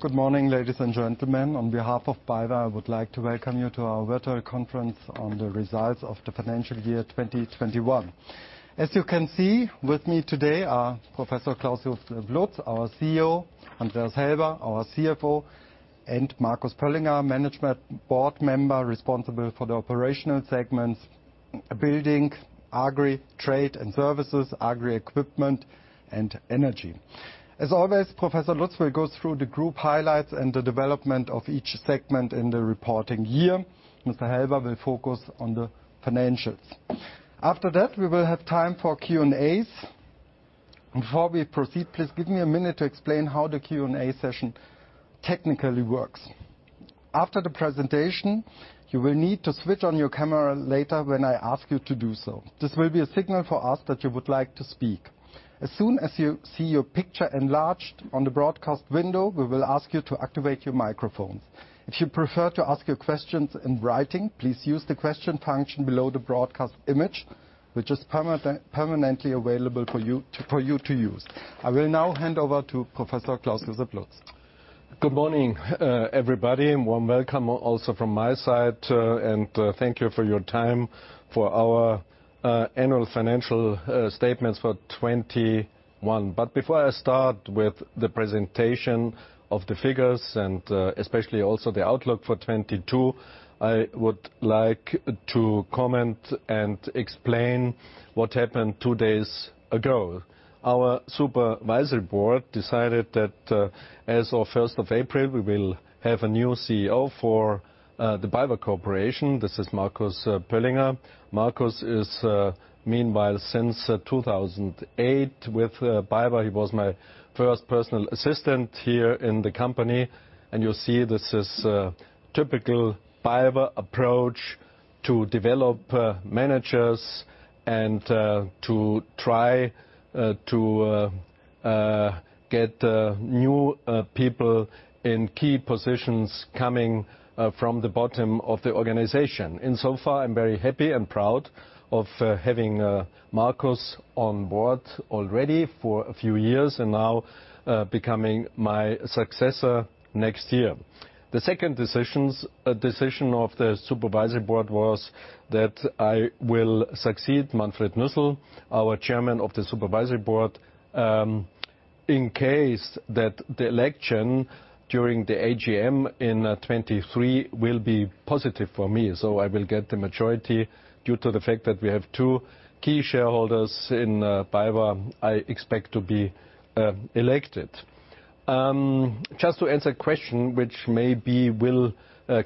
Good morning, ladies and gentlemen. On behalf of BayWa, I would like to welcome you to our Virtual Conference on the Results of the Financial Year 2021. As you can see, with me today are Professor Klaus Josef Lutz, our CEO, Andreas Helber, our CFO, and Marcus Pöllinger, management board member responsible for the operational segments Building, Agri, Trade and Services, Agri Equipment, and Energy. As always, Professor Lutz will go through the group highlights and the development of each segment in the reporting year. Mr. Helber will focus on the financials. After that, we will have time for Q&As. Before we proceed, please give me a minute to explain how the Q&A session technically works. After the presentation, you will need to switch on your camera later when I ask you to do so. This will be a signal for us that you would like to speak. As soon as you see your picture enlarged on the broadcast window, we will ask you to activate your microphones. If you prefer to ask your questions in writing, please use the question function below the broadcast image, which is permanently available for you to use. I will now hand over to Professor Klaus Josef Lutz. Good morning, everybody, and warm welcome also from my side, and thank you for your time for our annual financial statements for 2021. Before I start with the presentation of the figures and especially also the outlook for 2022, I would like to comment and explain what happened two days ago. Our supervisory board decided that as of April 1, we will have a new CEO for the BayWa Corporation. This is Marcus Pöllinger. Marcus is meanwhile since 2008 with BayWa. He was my first personal assistant here in the company. You'll see this is typical BayWa approach to develop managers and to try to get new people in key positions coming from the bottom of the organization. I'm very happy and proud of having Markus on board already for a few years and now becoming my successor next year. The second decision of the supervisory board was that I will succeed Manfred Nüssel, our Chairman of the Supervisory Board, in case that the election during the AGM in 2023 will be positive for me. I will get the majority due to the fact that we have two key shareholders in BayWa I expect to be elected. Just to answer a question which maybe will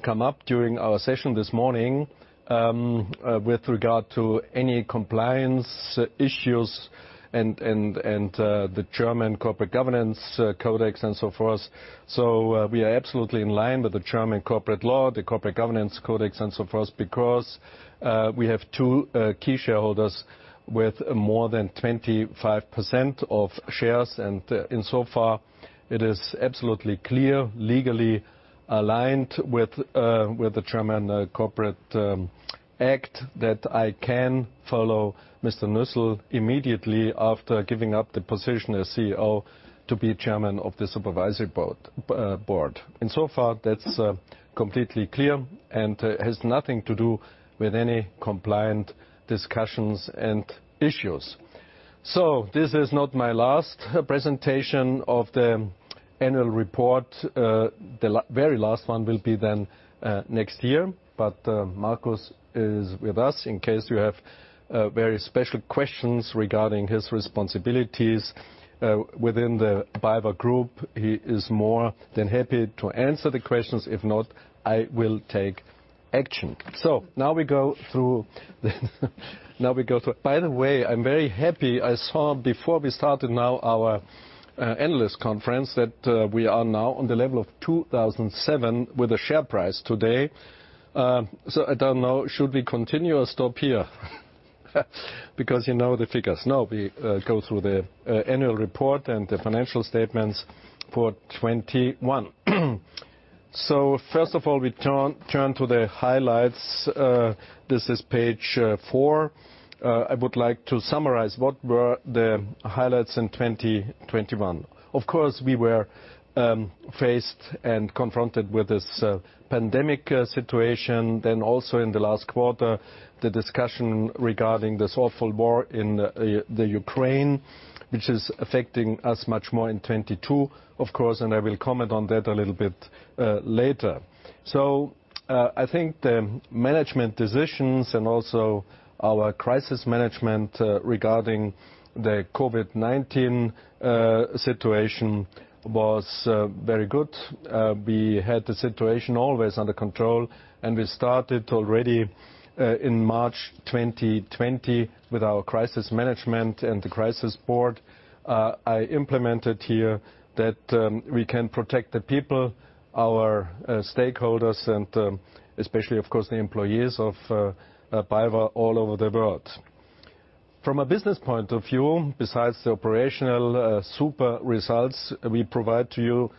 come up during our session this morning with regard to any compliance issues and the German Corporate Governance Code and so forth. We are absolutely in line with the German corporate law, the corporate governance codes, and so forth because we have two key shareholders with more than 25% of shares. In so far it is absolutely clear, legally aligned with the German corporate act that I can follow Mr. Nüssel immediately after giving up the position as CEO to be chairman of the supervisory board. In so far that's completely clear and has nothing to do with any compliance discussions and issues. This is not my last presentation of the annual report. Very last one will be then next year. Markus is with us in case you have very special questions regarding his responsibilities within the BayWa Group. He is more than happy to answer the questions. If not, I will take action. Now we go through. By the way, I'm very happy. I saw before we started our analyst conference, that we are now on the level of 2007 with the share price today. So I don't know, should we continue or stop here? Because you know the figures. No, we go through the annual report and the financial statements for 2021. First of all, we turn to the highlights. This is page four. I would like to summarize what were the highlights in 2021. Of course, we were faced and confronted with this pandemic situation. Also in the last quarter, the discussion regarding this awful war in the Ukraine, which is affecting us much more in 2022, of course, and I will comment on that a little bit later. I think the management decisions and also our crisis management regarding the COVID-19 situation was very good. We had the situation always under control, and we started already in March 2020 with our crisis management and the crisis board. I implemented here that we can protect the people, our stakeholders and especially of course the employees of BayWa all over the world. From a business point of view, besides the operational super results we provide to you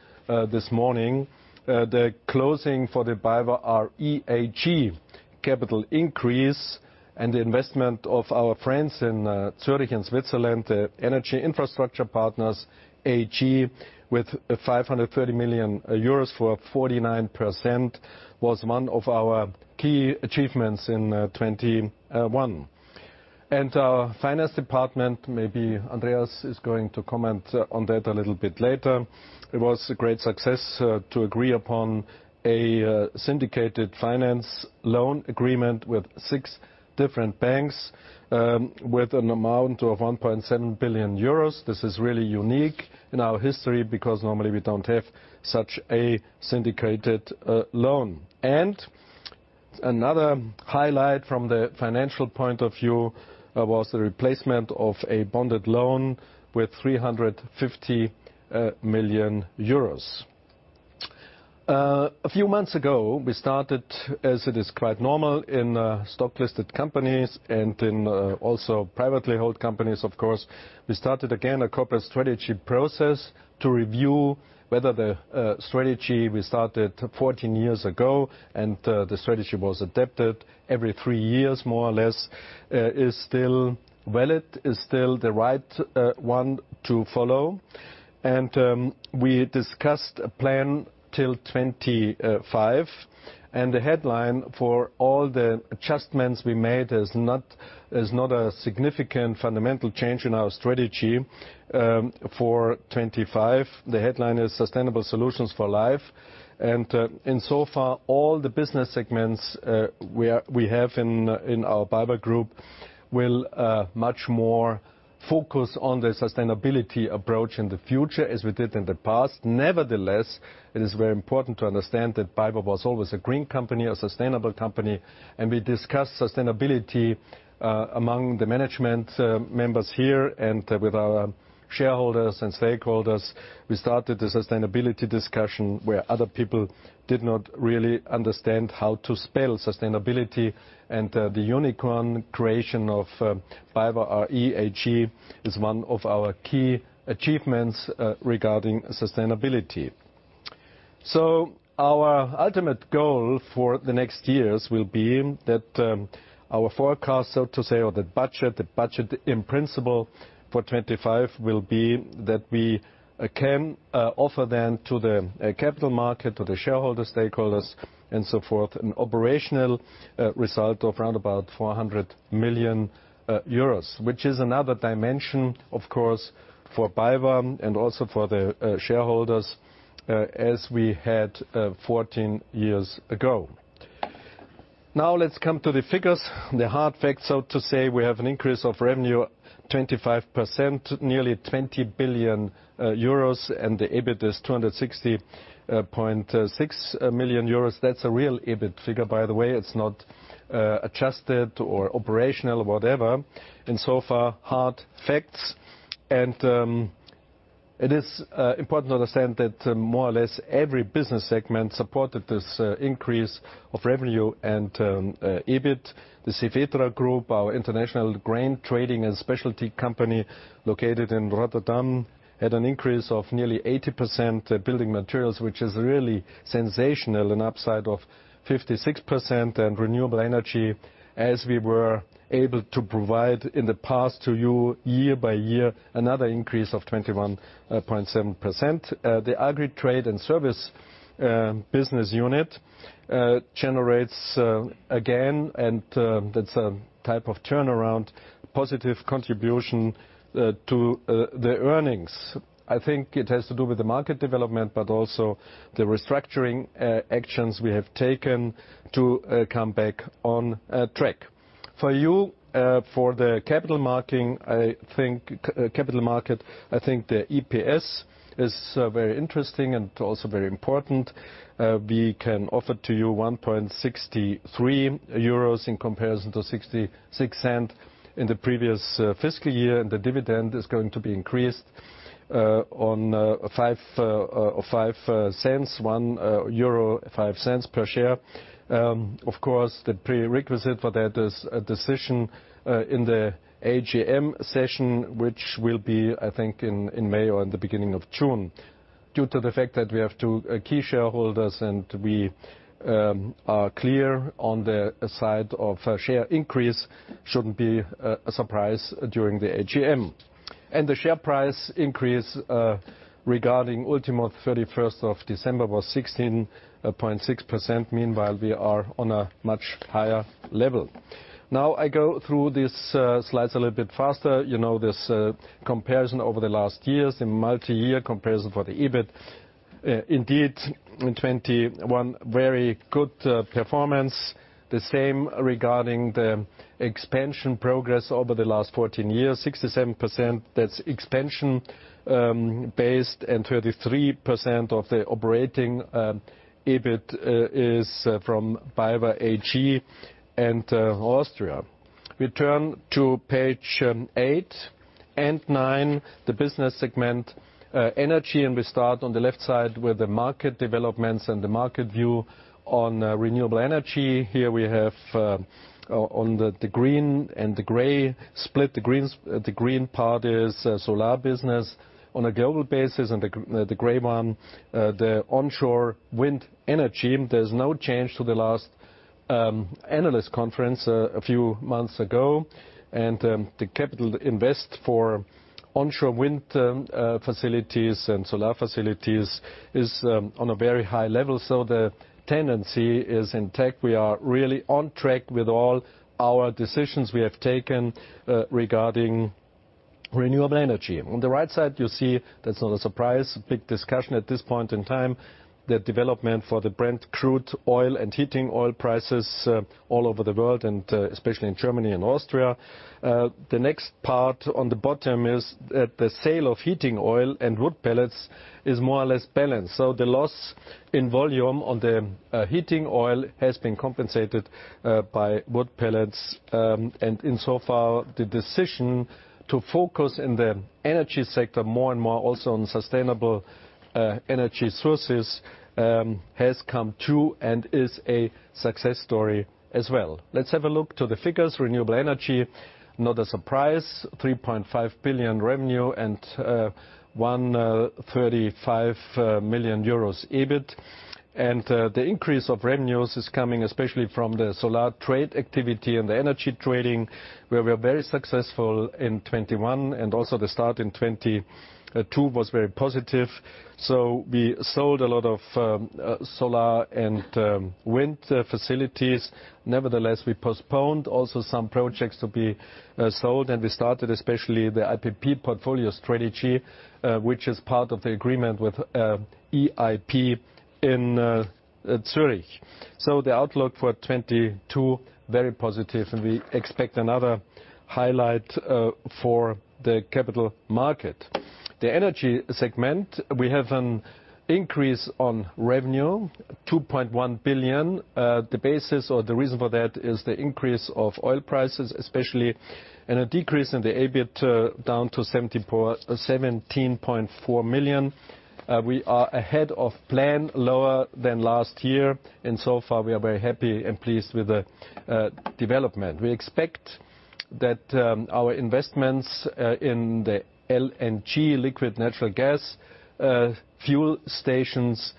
this morning, the closing for the BayWa r.e. AG capital increase and the investment of our friends in Zurich in Switzerland, the Energy Infrastructure Partners AG with 530 million euros for 49% was one of our key achievements in 2021. Our finance department, maybe Andreas is going to comment on that a little bit later. It was a great success to agree upon a syndicated finance loan agreement with six different banks with an amount of 1.7 billion euros. This is really unique in our history because normally we don't have such a syndicated loan. Another highlight from the financial point of view was the replacement of a bonded loan with 350 million euros. A few months ago, we started, as it is quite normal in stock-listed companies and in also privately held companies of course, we started again a corporate strategy process to review whether the strategy we started 14 years ago, and the strategy was adapted every three years, more or less, is still valid, is still the right one to follow. We discussed a plan till 25, and the headline for all the adjustments we made is not a significant fundamental change in our strategy for 25. The headline is Sustainable Solutions for Life. Insofar, all the business segments we have in our BayWa group will much more focus on the sustainability approach in the future as we did in the past. Nevertheless, it is very important to understand that BayWa was always a green company, a sustainable company, and we discussed sustainability among the management members here and with our shareholders and stakeholders. We started the sustainability discussion where other people did not really understand how to spell sustainability. The unicorn creation of BayWa r.e. AG is one of our key achievements regarding sustainability. Our ultimate goal for the next years will be that our forecast, so to say, or the budget in principle for 2025 will be that we can offer then to the capital market, to the shareholder, stakeholders, and so forth, an operational result of around about 400 million euros. Which is another dimension, of course, for BayWa and also for the shareholders as we had 14 years ago. Now let's come to the figures, the hard facts, so to say. We have an increase of revenue 25%, nearly 20 billion euros, and the EBIT is 260.6 million euros. That's a real EBIT figure, by the way. It's not adjusted or operational, whatever. In so far, hard facts. It is important to understand that more or less every business segment supported this increase of revenue and EBIT. The Cefetra Group, our international grain trading and specialty company located in Rotterdam, had an increase of nearly 80%. Building materials, which is really sensational, an upside of 56%, and renewable energy, as we were able to provide in the past to you year by year, another increase of 21.7%. The agri trade and service business unit generates again, and that's a type of turnaround, positive contribution to the earnings. I think it has to do with the market development, but also the restructuring actions we have taken to come back on track. For you, capital market, I think the EPS is very interesting and also very important. We can offer to you 1.63 euros in comparison to 0.66 EUR in the previous fiscal year, and the dividend is going to be increased by 5 cents to 1.05 per share. Of course, the prerequisite for that is a decision in the AGM session, which will be, I think, in May or in the beginning of June. Due to the fact that we have 2 key shareholders and we are clear on the side of a share increase shouldn't be a surprise during the AGM. The share price increase regarding ultimo December 31 was 16.6%. Meanwhile, we are on a much higher level. Now I go through these slides a little bit faster. You know this comparison over the last years, the multiyear comparison for the EBIT. Indeed, in 2021, very good performance. The same regarding the expansion progress over the last 14 years. 67%, that's expansion based, and 33% of the operating EBIT is from BayWa AG and Austria. We turn to page 8 and 9, the business segment Energy. We start on the left side with the market developments and the market view on renewable energy. Here we have the green and the gray split. The green part is solar business on a global basis, and the gray one, the onshore wind energy. There's no change to the last analyst conference a few months ago. The capital investment for onshore wind facilities and solar facilities is on a very high level. The tendency is intact. We are really on track with all our decisions we have taken regarding renewable energy. On the right side, you see that's not a surprise. Big discussion at this point in time, the development for the Brent crude oil and heating oil prices all over the world and especially in Germany and Austria. The next part on the bottom is the sale of heating oil and wood pellets is more or less balanced. The loss in volume on the heating oil has been compensated by wood pellets. Insofar, the decision to focus in the energy sector more and more also on sustainable energy sources has come true and is a success story as well. Let's have a look to the figures. Renewable energy, not a surprise, 3.5 billion revenue and 135 million euros EBIT. The increase of revenues is coming especially from the solar trade activity and the energy trading, where we are very successful in 2021 and also the start in 20, 2022 was very positive. We sold a lot of solar and wind facilities. Nevertheless, we postponed also some projects to be sold, and we started especially the IPP portfolio strategy, which is part of the agreement with EIP in Zurich. The outlook for 2022, very positive, and we expect another highlight for the capital market. The energy segment, we have an increase in revenue, 2.1 billion. The basis or the reason for that is the increase of oil prices especially, and a decrease in the EBIT, down to 17.4 million. We are ahead of plan, lower than last year. So far we are very happy and pleased with the development. We expect that our investments in the LNG, liquid natural gas, fuel stations,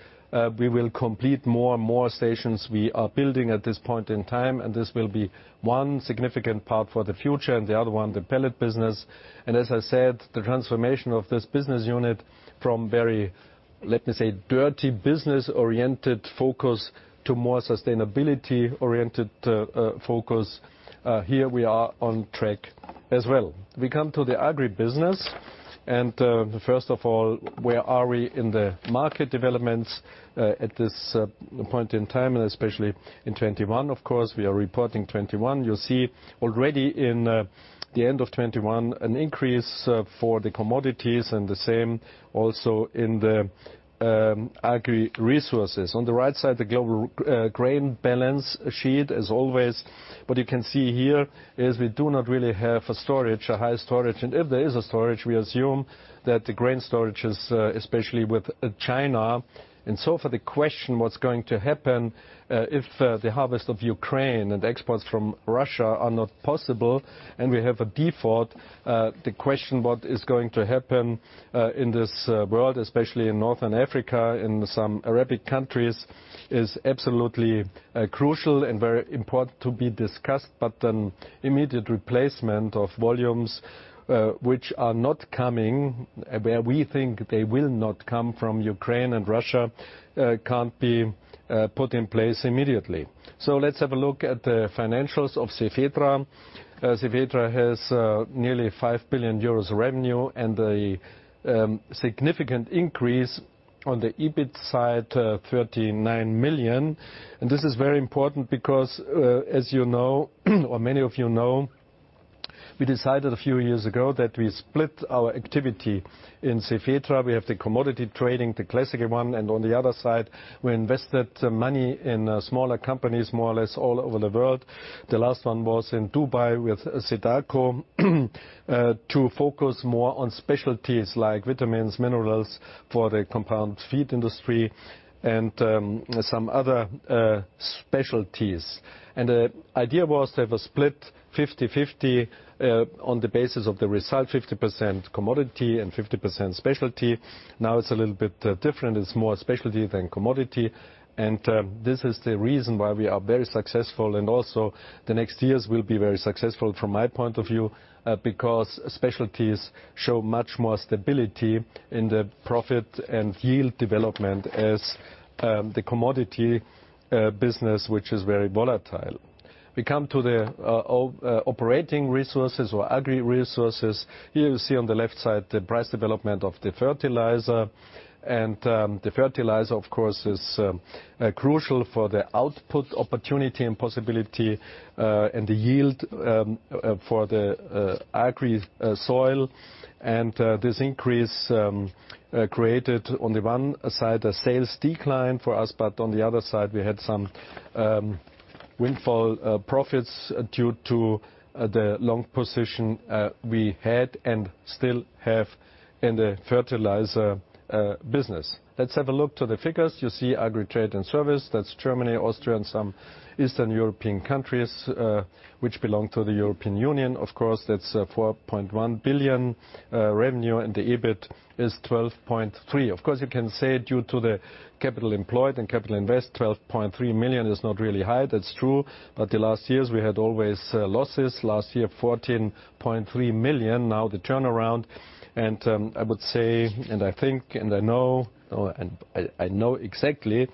we will complete more and more stations we are building at this point in time. This will be one significant part for the future and the other one, the pellet business. As I said, the transformation of this business unit from very, let me say, dirty business-oriented focus to more sustainability-oriented focus, here we are on track as well. We come to the agri business. First of all, where are we in the market developments at this point in time, and especially in 2021, of course? We are reporting 2021. You'll see already in the end of 2021 an increase for the commodities and the same also in the agri resources. On the right side, the global grain balance sheet as always. What you can see here is we do not really have a storage, a high storage. If there is a storage, we assume that the grain storage is especially with China. For the question what's going to happen if the harvest of Ukraine and exports from Russia are not possible and we have a default, what is going to happen in this world, especially in North Africa, in some Arab countries, is absolutely crucial and very important to be discussed. An immediate replacement of volumes which are not coming, where we think they will not come from Ukraine and Russia, can't be put in place immediately. Let's have a look at the financials of Cefetra. Cefetra has nearly 5 billion euros revenue and a significant increase on the EBIT side, 39 million. This is very important because, as you know, or many of you know, we decided a few years ago that we split our activity in Cefetra. We have the commodity trading, the classical one, and on the other side, we invested money in smaller companies more or less all over the world. The last one was in Dubai with Sedaco to focus more on specialties like vitamins, minerals for the compound feed industry and some other specialties. The idea was to have a split 50/50 on the basis of the result, 50% commodity and 50% specialty. Now it's a little bit different. It's more specialty than commodity. This is the reason why we are very successful and also the next years will be very successful from my point of view because specialties show much more stability in the profit and yield development as the commodity business, which is very volatile. We come to the operating resources or agri resources. Here you see on the left side the price development of the fertilizer. The fertilizer, of course, is crucial for the output opportunity and possibility, and the yield for the agri soil. This increase created on the one side a sales decline for us, but on the other side, we had some windfall profits due to the long position we had and still have in the fertilizer business. Let's have a look at the figures. You see Agri Trade & Services. That's Germany, Austria, and some Eastern European countries which belong to the European Union. Of course, that's 4.1 billion revenue, and the EBIT is 12.3 million. Of course, you can say due to the capital employed and capital invest, 12.3 million is not really high. That's true. The last years we had always losses. Last year, 14.3 million. Now the turnaround. I would say I think I know exactly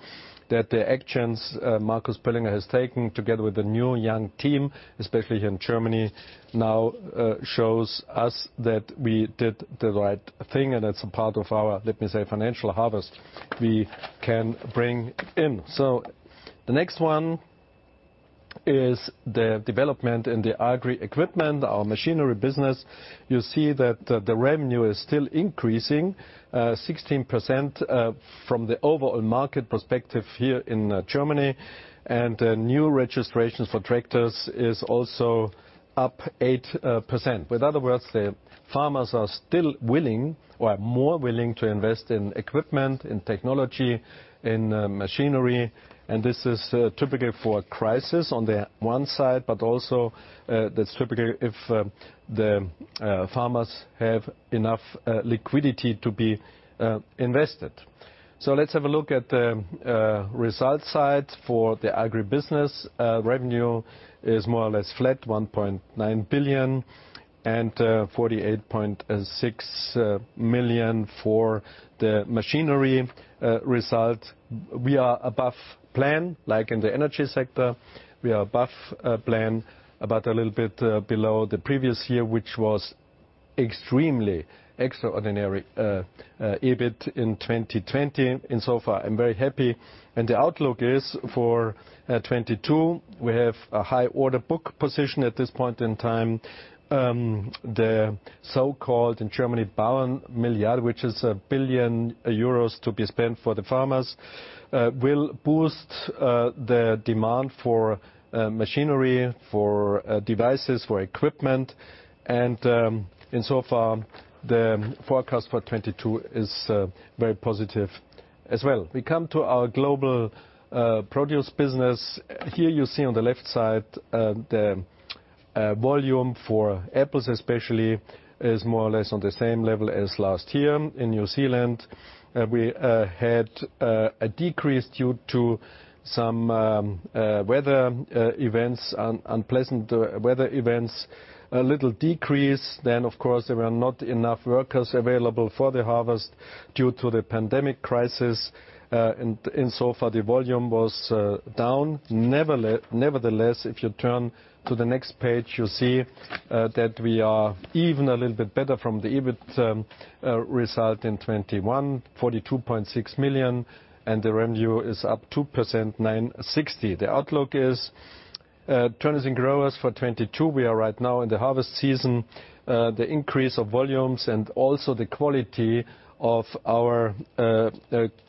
that the actions Marcus Pöllinger has taken together with the new young team, especially here in Germany, now shows us that we did the right thing and it's a part of our, let me say, financial harvest we can bring in. The next one is the development in the agri equipment, our machinery business. You see that the revenue is still increasing 16% from the overall market perspective here in Germany. New registrations for tractors is also up 8%. In other words, the farmers are still willing or are more willing to invest in equipment, in technology, in machinery, and this is typical for a crisis on the one side, but also that's typical if the farmers have enough liquidity to invest. Let's have a look at the result side for the agri business. Revenue is more or less flat, 1.9 billion, and 48.6 million for the machinery result. We are above plan, like in the energy sector, a little bit below the previous year, which was extremely extraordinary EBIT in 2020. So far I'm very happy. The outlook is for 2022, we have a high order book position at this point in time. The so-called Bauernmilliarde in Germany, which is 1 billion euros to be spent for the farmers, will boost the demand for machinery, for devices, for equipment. So far, the forecast for 2022 is very positive as well. We come to our global produce business. Here you see on the left side the volume for apples especially is more or less on the same level as last year. In New Zealand, we had a decrease due to some unpleasant weather events, a little decrease. Then, of course, there were not enough workers available for the harvest due to the pandemic crisis. Insofar, the volume was down. Nevertheless, if you turn to the next page, you see that we are even a little bit better from the EBIT result in 2021, 42.6 million, and the revenue is up 2%, 960 million. The outlook is for Turners & Growers for 2022, we are right now in the harvest season. The increase of volumes and also the quality of our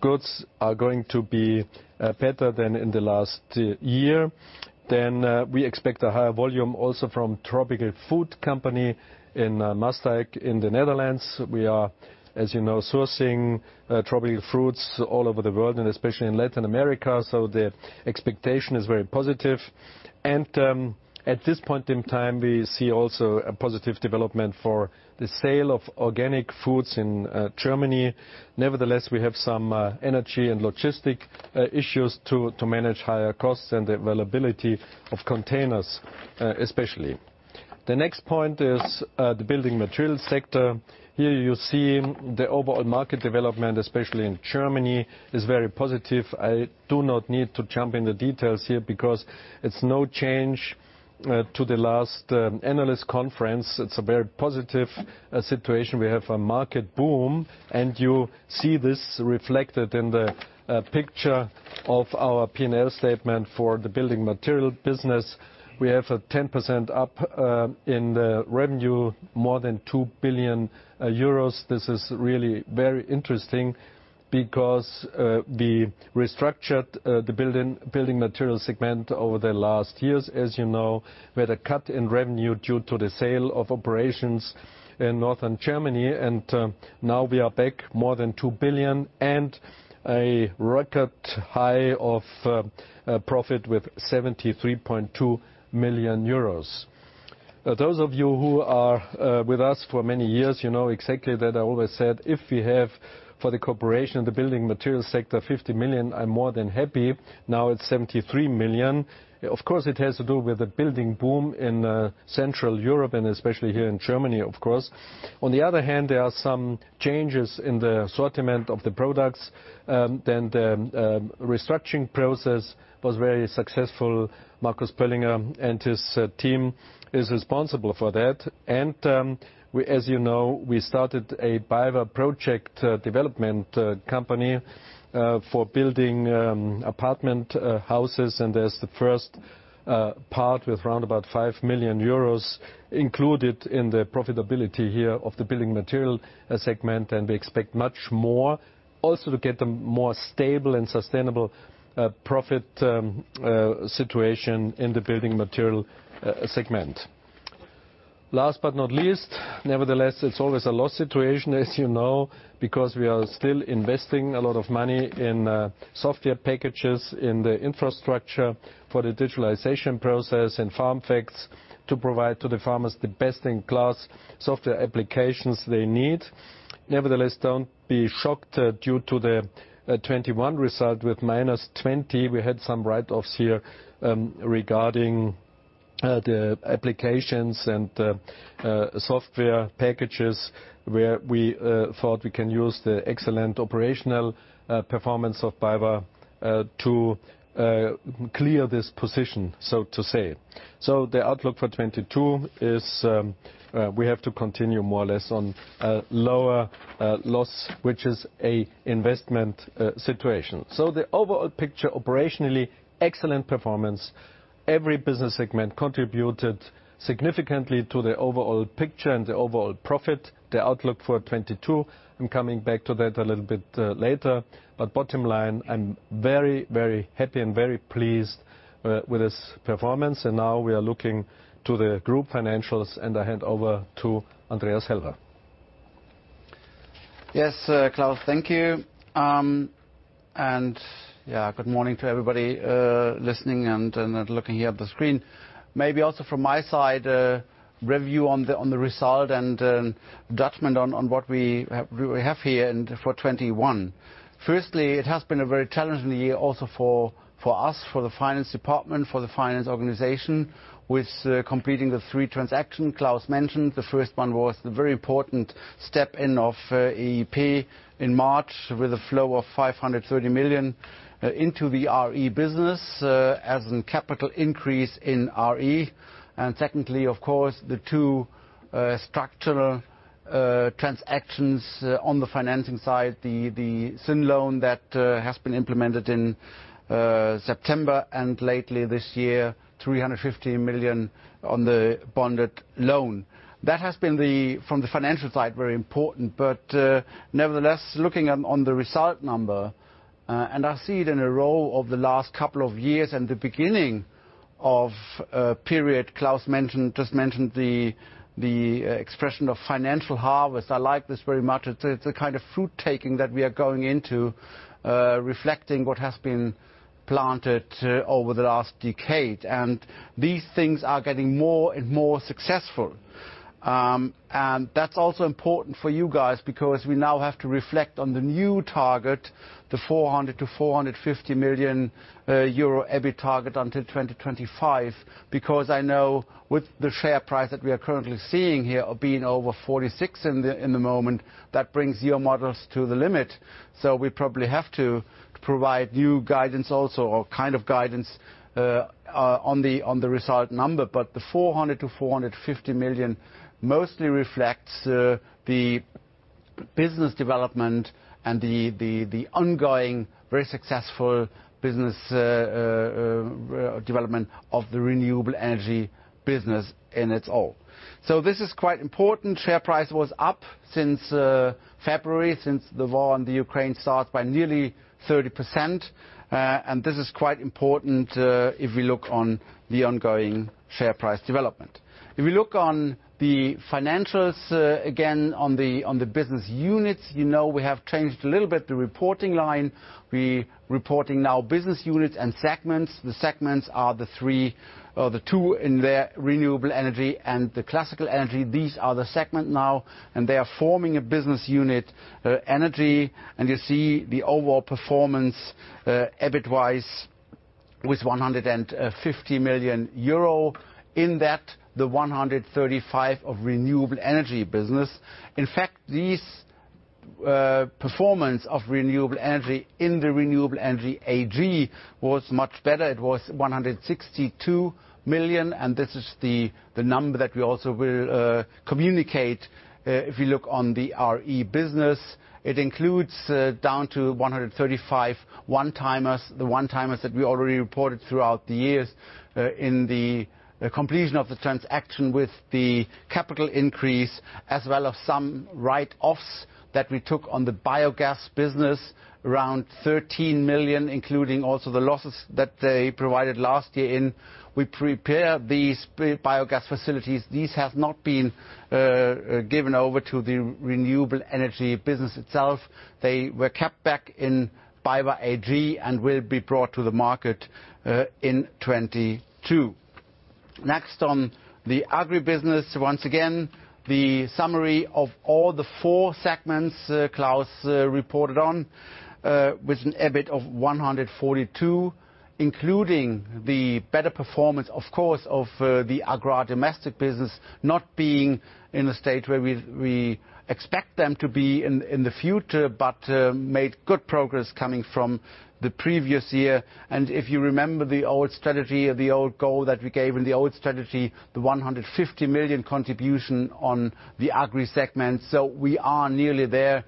goods are going to be better than in the last year. Then, we expect a higher volume also from TFC Holland in Maassluis in the Netherlands. We are, as you know, sourcing tropical fruits all over the world and especially in Latin America, so the expectation is very positive. At this point in time, we see also a positive development for the sale of organic foods in Germany. Nevertheless, we have some energy and logistics issues to manage higher costs and the availability of containers, especially. The next point is the Building Materials sector. Here you see the overall market development, especially in Germany, is very positive. I do not need to jump in the details here because it's no change to the last analyst conference. It's a very positive situation. We have a market boom, and you see this reflected in the picture of our P&L statement for the Building Materials business. We have a 10% up in the revenue, more than 2 billion euros. This is really very interesting because we restructured the Building Materials segment over the last years. As you know, we had a cut in revenue due to the sale of operations in Northern Germany, and now we are back more than 2 billion and a record high of profit with 73.2 million euros. Those of you who are with us for many years, you know exactly that I always said if we have, for the corporation, the Building Materials sector, 50 million, I'm more than happy. Now it's 73 million. Of course, it has to do with the building boom in Central Europe and especially here in Germany, of course. On the other hand, there are some changes in the assortment of the products, and the restructuring process was very successful. Marcus Pöllinger and his team is responsible for that. As you know, we started a BayWa project development company for building apartment houses. There's the first part with round about 5 million euros included in the profitability here of the Building Material segment. We expect much more also to get a more stable and sustainable profit situation in the Building Material segment. Last but not least, nevertheless, it's always a loss situation, as you know, because we are still investing a lot of money in software packages, in the infrastructure for the digitalization process and FarmFacts to provide to the farmers the best-in-class software applications they need. Nevertheless, don't be shocked due to the 2021 result with minus 20. We had some write-offs here, regarding the applications and software packages where we thought we can use the excellent operational performance of BayWa to clear this position, so to say. The outlook for 2022 is we have to continue more or less on a lower loss, which is an investment situation. The overall picture operationally, excellent performance. Every business segment contributed significantly to the overall picture and the overall profit. The outlook for 2022, I'm coming back to that a little bit later. Bottom line, I'm very, very happy and very pleased with this performance. Now we are looking to the group financials, and I hand over to Andreas Helber. Yes, sir, Klaus, thank you. Yeah, good morning to everybody listening and looking here at the screen. Maybe also from my side, a review on the result and judgment on what we have here for 2021. Firstly, it has been a very challenging year also for us, for the finance department, for the finance organization, with completing the three transaction Klaus mentioned. The first one was the very important step in of EIP in March with a flow of 530 million into the RE business as a capital increase in RE. Secondly, of course, the two structural transactions on the financing side, the syn loan that has been implemented in September and lately this year, 350 million on the bonded loan. That has been the, from the financial side, very important. Nevertheless, looking on the result number, and I see it in a row of the last couple of years and the beginning of a period Claus mentioned, the expression of financial harvest. I like this very much. It's a kind of fruit-taking that we are going into, reflecting what has been planted over the last decade. These things are getting more and more successful. That's also important for you guys because we now have to reflect on the new target, the 400 million-450 million euro EBIT target until 2025. Because I know with the share price that we are currently seeing here being over 46 in the moment, that brings your models to the limit. We probably have to provide new guidance also or kind of guidance on the result number. The 400-450 million mostly reflects the business development and the ongoing very successful business development of the renewable energy business in its all. This is quite important. Share price was up since February, since the war in the Ukraine start by nearly 30%. This is quite important if we look on the ongoing share price development. If we look on the financials again on the business units, you know we have changed a little bit the reporting line. We reporting now business units and segments. The segments are the three, or the two in their renewable energy and the classical energy. These are the segments now, and they are forming a business unit, energy. You see the overall performance, EBIT-wise with 150 million euro. In that, the 135 million of renewable energy business. In fact, the performance of renewable energy in the BayWa r.e. AG was much better. It was 162 million, and this is the number that we also will communicate if you look on the RE business. It includes down to 135 million one-timers, the one-timers that we already reported throughout the years, in the completion of the transaction with the capital increase, as well as some write-offs that we took on the biogas business, around 13 million, including also the losses that they provided last year in. We prepare these biogas facilities. These have not been given over to the renewable energy business itself. They were kept back in BayWa AG and will be brought to the market in 2022. Next on the agri business. Once again, the summary of all the four segments Klaus reported on, with an EBIT of 142 million, including the better performance, of course, of the agri domestic business not being in a state where we expect them to be in the future, but made good progress coming from the previous year. If you remember the old strategy, the old goal that we gave in the old strategy, the 150 million contribution on the agri segment. We are nearly there.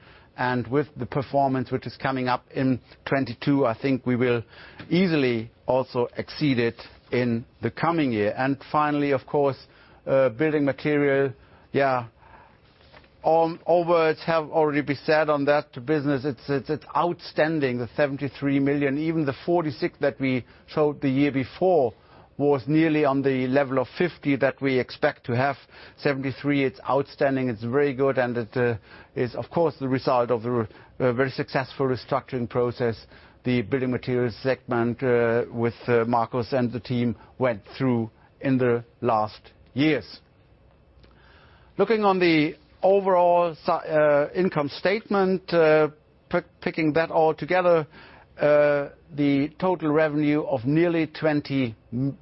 With the performance which is coming up in 2022, I think we will easily also exceed it in the coming year. Finally, of course, building material. Yeah. All words have already been said on that business. It's outstanding, the 73 million. Even the 46 million that we showed the year before was nearly on the level of 50 million that we expect to have. 73, it's outstanding, it's very good, and it is of course the result of a very successful restructuring process, the building materials segment, with Marcus and the team went through in the last years. Looking on the overall income statement, putting that all together, the total revenue of nearly 20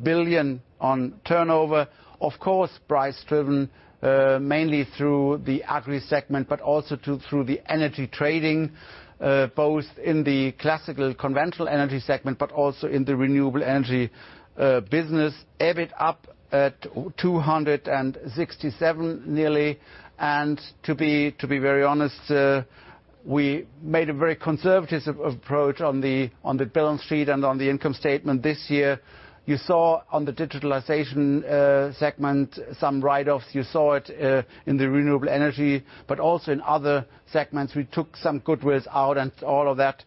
billion on turnover. Of course, price-driven, mainly through the agri segment, but also through the energy trading, both in the classical conventional energy segment, but also in the renewable energy business. EBIT up at nearly 267. To be very honest, we made a very conservative approach on the balance sheet and on the income statement this year. You saw on the digitalization segment some write-offs. You saw it in the renewable energy, but also in other segments. We took some good risks out and all of that.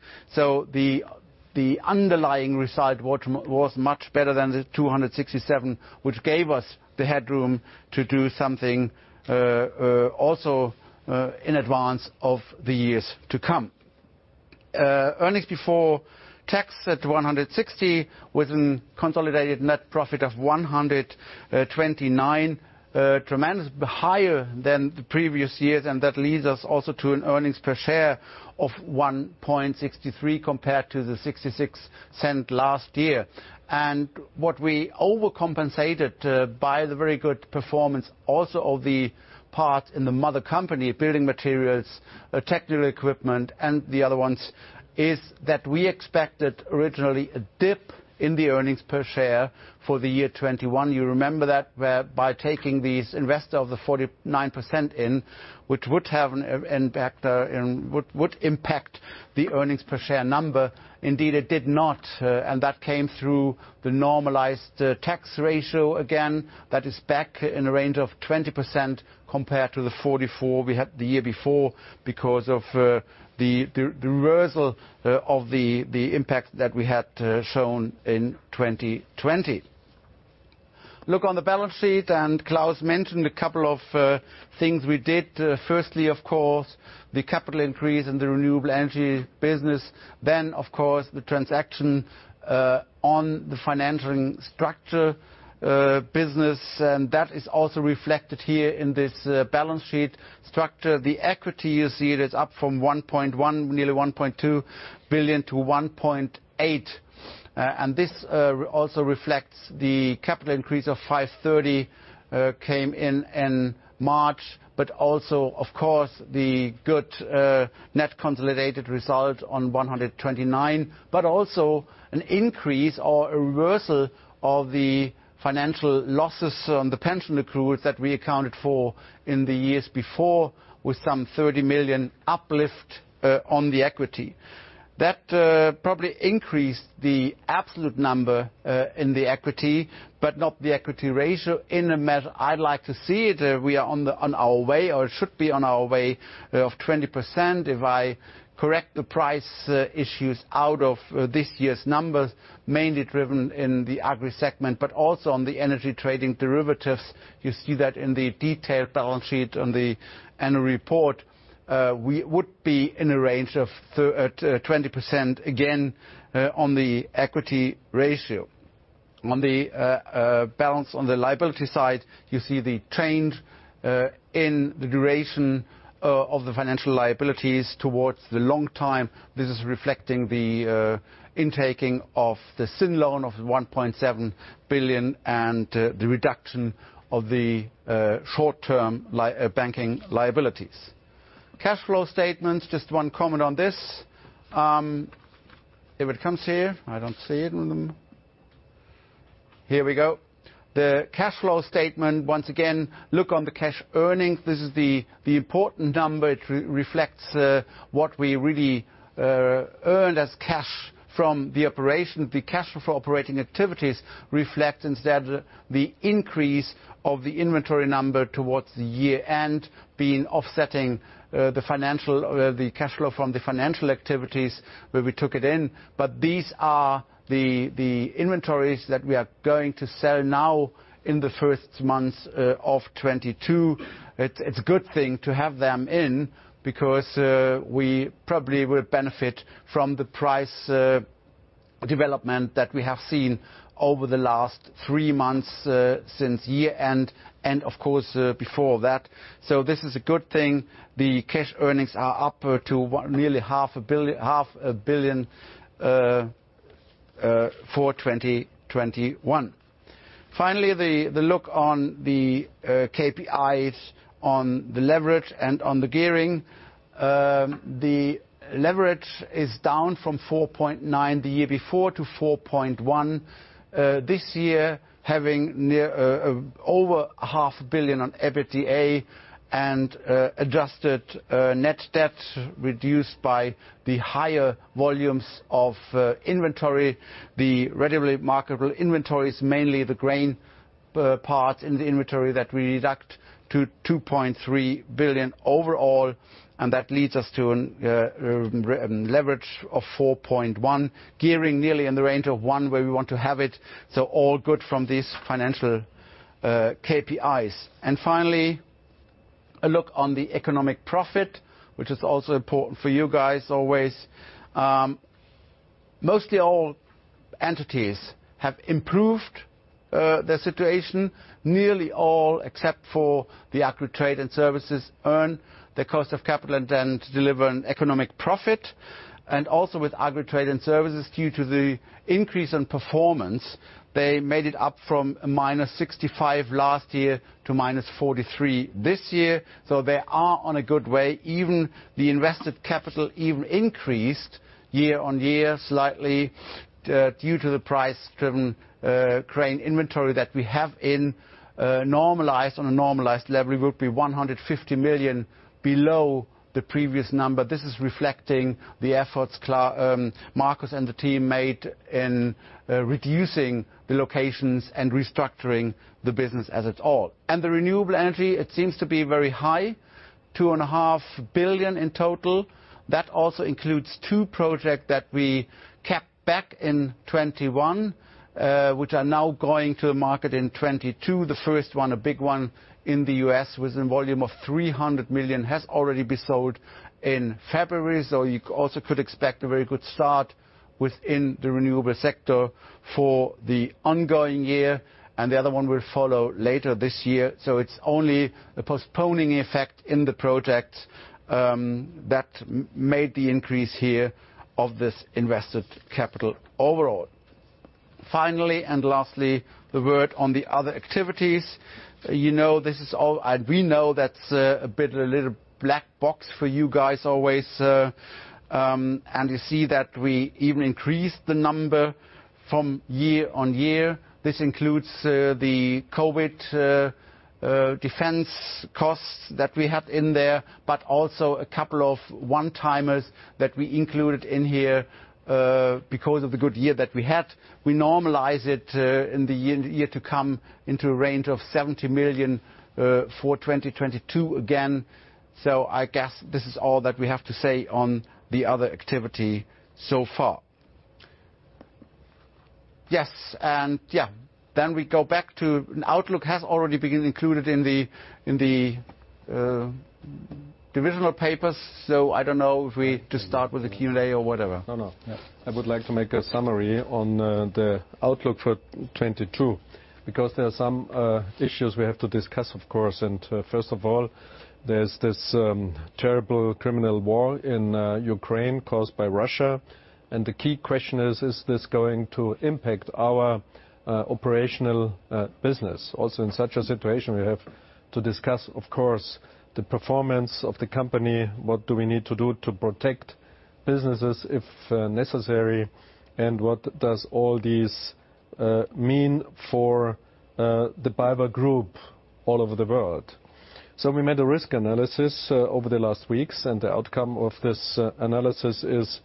The underlying result was much better than the 267, which gave us the headroom to do something also in advance of the years to come. Earnings before tax at 160 with a consolidated net profit of 129, tremendously higher than the previous years. That leads us also to an earnings per share of 1.63 compared to the 0.66 last year. What we overcompensated by the very good performance also of the part in the mother company, building materials, technical equipment and the other ones, is that we expected originally a dip in the earnings per share for the year 2021. You remember that, whereby taking these investor of the 49% in, which would have an impact would impact the earnings per share number. Indeed, it did not. That came through the normalized tax ratio again. That is back in a range of 20% compared to the 44% we had the year before because of the reversal of the impact that we had shown in 2020. Look on the balance sheet, and Klaus mentioned a couple of things we did. Firstly, of course, the capital increase in the renewable energy business. Of course the transaction on the financial structure business, and that is also reflected here in this balance sheet structure. The equity you see it is up from 1.1 billion nearly 1.2 billion to 1.8 billion. This also reflects the capital increase of 530 million that came in in March, but also of course the good net consolidated result of 129 million, but also an increase or a reversal of the financial losses on the pension accrual that we accounted for in the years before with some 30 million uplift on the equity. That probably increased the absolute number in the equity, but not the equity ratio. In a measure I'd like to see it, we are on our way or should be on our way to 20%. If I correct the price issues out of this year's numbers, mainly driven in the Agri segment, but also on the energy trading derivatives. You see that in the detailed balance sheet on the annual report. We would be in a range of 20% again on the equity ratio. On the balance on the liability side, you see the change in the duration of the financial liabilities towards the long-term. This is reflecting the intake of the syn loan of 1.7 billion and the reduction of the short-term banking liabilities. Cash flow statements, just one comment on this. If it comes here, I don't see it. Here we go. The cash flow statement, once again, look on the cash earnings. This is the important number. It reflects what we really earned as cash from the operation. The cash flow from operating activities reflect instead the increase of the inventory number towards the year-end being offsetting the cash flow from the financing activities where we took it in. These are the inventories that we are going to sell now in the first months of 2022. It's a good thing to have them in because we probably will benefit from the price development that we have seen over the last three months since year-end and, of course, before that. This is a good thing. The cash earnings are up to nearly half a billion EUR for 2021. Finally, the look at the KPIs on the leverage and on the gearing. The leverage is down from 4.9 the year before to 4.1. This year having over half a billion EUR of EBITDA and adjusted net debt reduced by the higher volumes of inventory. The readily marketable inventories, mainly the grain part in the inventory that we deduct to 2.3 billion overall, and that leads us to a leverage of 4.1, gearing nearly in the range of one where we want to have it. All good from these financial KPIs. Finally, a look at the economic profit, which is also important for you guys always. Mostly all entities have improved their situation. Nearly all except for the Agro Trade and Services earn their cost of capital and then deliver an economic profit. Also with Agro Trade and Services, due to the increase in performance, they made it up from a -65 last year to a -43 this year. They are on a good way. Even the invested capital increased year-on-year slightly, due to the price-driven grain inventory that we have in normalized. On a normalized level, it would be 150 million below the previous number. This is reflecting the efforts Markus and the team made in reducing the locations and restructuring the business as it's all. The renewable energy, it seems to be very high, 2.5 billion in total. That also includes two project that we kept back in 2021, which are now going to market in 2022. The first one, a big one in the U.S., with a volume of 300 million, has already been sold in February. You also could expect a very good start within the renewable sector for the ongoing year, and the other one will follow later this year. It's only a postponing effect in the projects that made the increase here of this invested capital overall. Finally, and lastly, a word on the other activities. You know this is all a bit of a little black box for you guys always. You see that we even increased the number from year-on-year. This includes the COVID defense costs that we have in there, but also a couple of one-timers that we included in here because of the good year that we had. We normalize it in the year to come into a range of 70 million for 2022 again. I guess this is all that we have to say on the other activity so far. Yes. Yeah. We go back to outlook. Outlook has already been included in the divisional papers, so I don't know if we just start with the Q&A or whatever. No, no. Yeah. I would like to make a summary on the outlook for 2022 because there are some issues we have to discuss, of course. First of all, there's this terrible criminal war in Ukraine caused by Russia. The key question is this going to impact our operational business? Also, in such a situation, we have to discuss, of course, the performance of the company. What do we need to do to protect businesses if necessary? What does all this mean for the BayWa Group all over the world? We made a risk analysis over the last weeks, and the outcome of this analysis is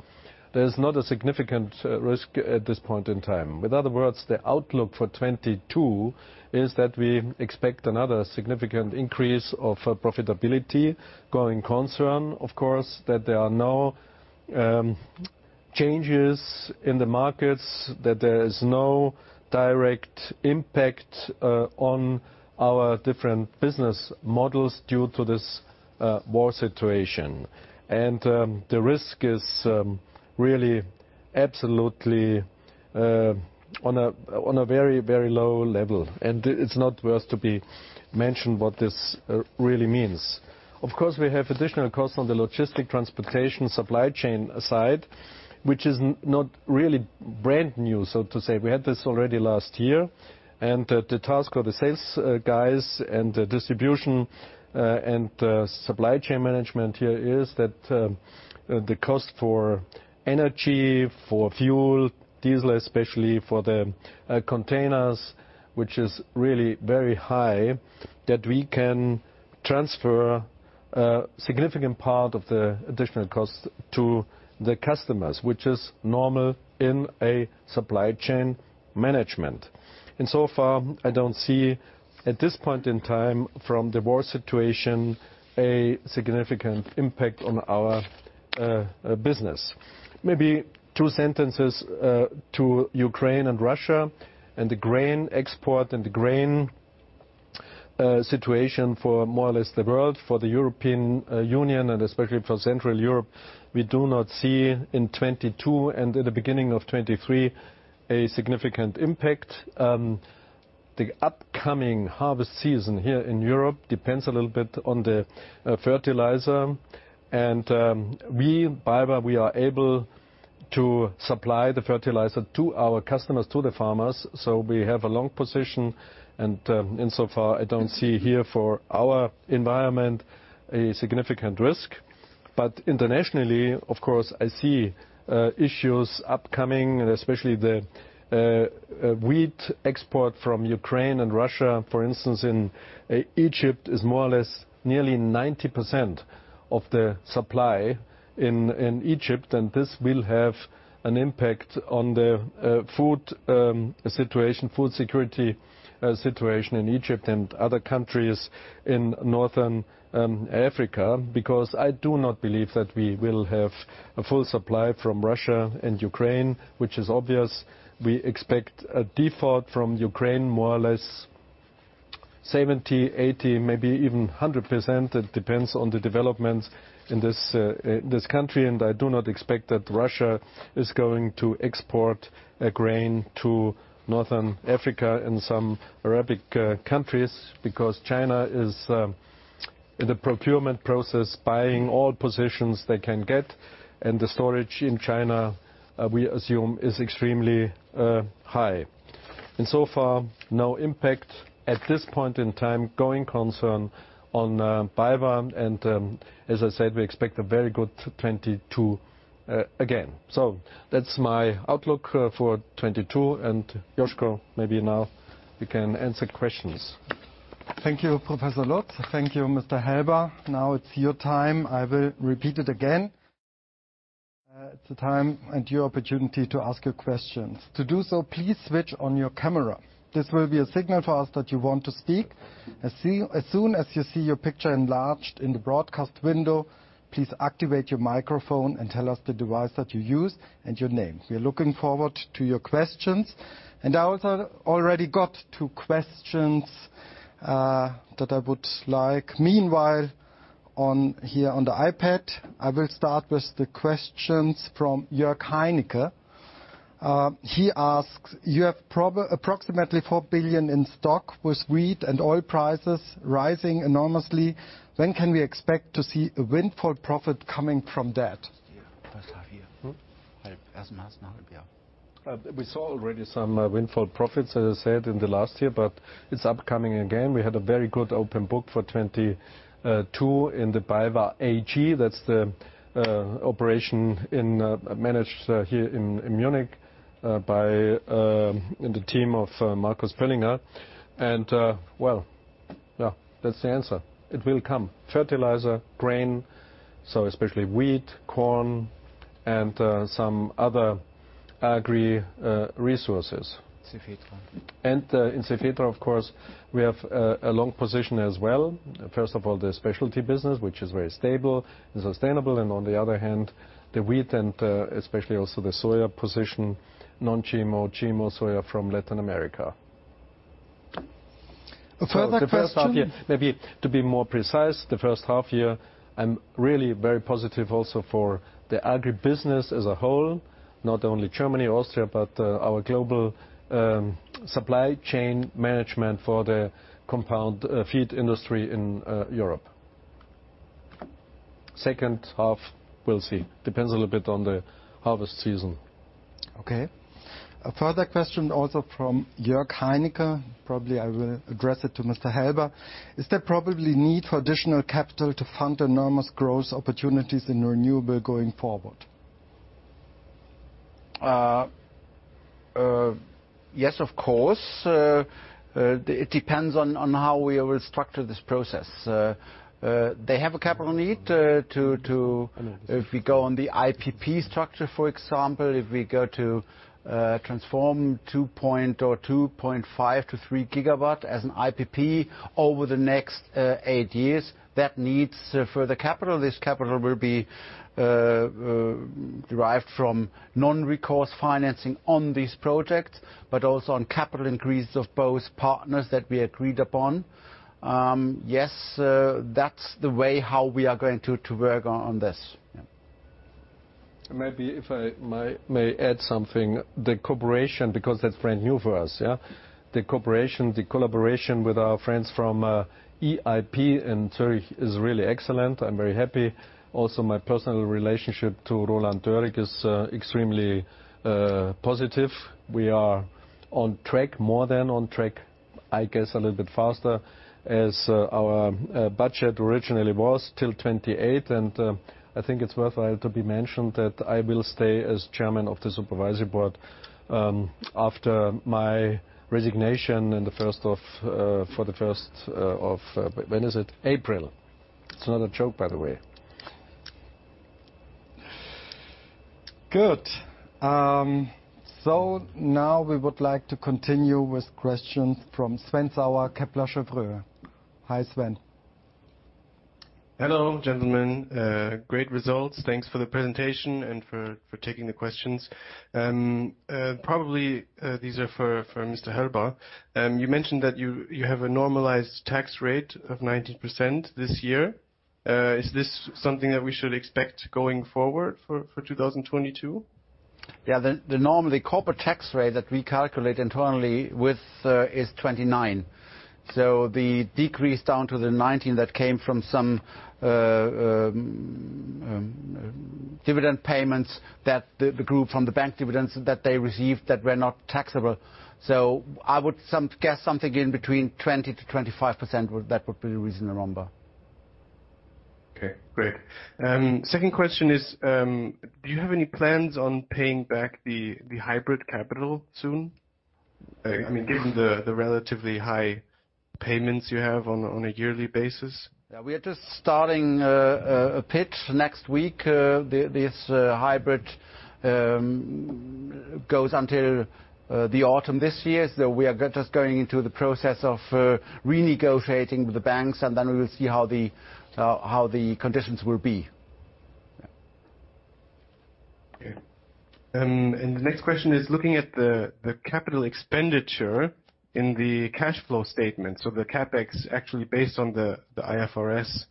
there's not a significant risk at this point in time. In other words, the outlook for 2022 is that we expect another significant increase of profitability going concern, of course. That there are no changes in the markets, that there is no direct impact on our different business models due to this war situation. The risk is really absolutely on a very, very low level, and it's not worth to be mentioned what this really means. Of course, we have additional costs on the logistics transportation supply chain side, which is not really brand new, so to say. We had this already last year. The task of the sales guys and the distribution and supply chain management here is that the cost for energy, for fuel, diesel especially, for the containers, which is really very high, that we can transfer a significant part of the additional cost to the customers, which is normal in a supply chain management. So far, I don't see at this point in time from the war situation a significant impact on our business. Maybe two sentences to Ukraine and Russia and the grain export and the grain situation for more or less the world. For the European Union and especially for Central Europe, we do not see in 2022 and at the beginning of 2023 a significant impact. The upcoming harvest season here in Europe depends a little bit on the fertilizer. We, BayWa, are able to supply the fertilizer to our customers, to the farmers, so we have a long position. Insofar, I don't see here for our environment a significant risk. Internationally, of course, I see issues upcoming, and especially the wheat export from Ukraine and Russia. For instance, in Egypt is more or less nearly 90% of the supply in Egypt, and this will have an impact on the food situation, food security situation in Egypt and other countries in Northern Africa. Because I do not believe that we will have a full supply from Russia and Ukraine, which is obvious. We expect a default from Ukraine more or less 70, 80, maybe even 100%. It depends on the developments in this country, and I do not expect that Russia is going to export grain to North Africa and some Arab countries because China is in the procurement process, buying all positions they can get, and the storage in China, we assume, is extremely high. So far, no impact at this point in time, going concern on BayWa. As I said, we expect a very good 2022 again. That's my outlook for 2022. Josko, maybe now we can answer questions. Thank you, Professor Lutz. Thank you, Mr. Helber. Now it's your time. I will repeat it again. It's the time and your opportunity to ask your questions. To do so, please switch on your camera. This will be a signal for us that you want to speak. As soon as you see your picture enlarged in the broadcast window, please activate your microphone and tell us the device that you use and your name. We are looking forward to your questions. I also already got two questions that I would like meanwhile on here on the iPad. I will start with the questions from Jörg Heineke. He asks, "You have approximately 4 billion in stock. With wheat and oil prices rising enormously, when can we expect to see a windfall profit coming from that? We saw already some windfall profits, as I said, in the last year, but it's upcoming again. We had a very good open book for 2022 in the BayWa AG. That's the operation managed here in Munich by the team of Marcus Pöllinger. Well, yeah, that's the answer. It will come. Fertilizer, grain, so especially wheat, corn, and some other agri resources. Of course, we have a long position as well. First of all, the specialty business, which is very stable and sustainable. On the other hand, the wheat and especially also the soya position, non-GMO, GMO soya from Latin America. A further question. The first half year, maybe to be more precise, I'm really very positive also for the agri business as a whole, not only Germany, Austria, but our global supply chain management for the compound feed industry in Europe. Second half, we'll see. Depends a little bit on the harvest season. Okay. A further question also from Jörg Heineke. Probably I will address it to Mr. Helber. Is there probably need for additional capital to fund enormous growth opportunities in renewables going forward? Yes, of course. It depends on how we will structure this process. They have a capital need. If we go on the IPP structure, for example, if we go to transform 2 or 2.5-3 gigawatt as an IPP over the next eight years, that needs further capital. This capital will be derived from non-recourse financing on these projects, but also on capital increase of both partners that we agreed upon. That's the way how we are going to work on this. Maybe if I may add something. The cooperation, because that's brand new for us, yeah? The cooperation, the collaboration with our friends from EIP in Zurich is really excellent. I'm very happy. Also, my personal relationship to Roland Dörig is extremely positive. We are on track, more than on track, I guess a little bit faster as our budget originally was till 2028. I think it's worthwhile to be mentioned that I will stay as Chairman of the Supervisory Board after my resignation in the first of April. It's not a joke, by the way. Good. Now we would like to continue with questions from Sven Sauer, Kepler Cheuvreux. Hi, Sven. Hello, gentlemen. Great results. Thanks for the presentation and for taking the questions. Probably, these are for Mr. Helber. You mentioned that you have a normalized tax rate of 19% this year. Is this something that we should expect going forward for 2022? Yeah. The normally corporate tax rate that we calculate internally with is 29%. The decrease down to the 19% came from some dividend payments that the group from the bank dividends that they received that were not taxable. I would guess something in between 20%-25% would be a reasonable number. Okay, great. Second question is, do you have any plans on paying back the hybrid capital soon? I mean, given the relatively high payments you have on a yearly basis. Yeah, we are just starting a pitch next week. This hybrid goes until the autumn this year. We are just going into the process of renegotiating with the banks, and then we will see how the conditions will be. Okay. The next question is looking at the capital expenditure in the cash flow statement. The CapEx actually based on the IFRS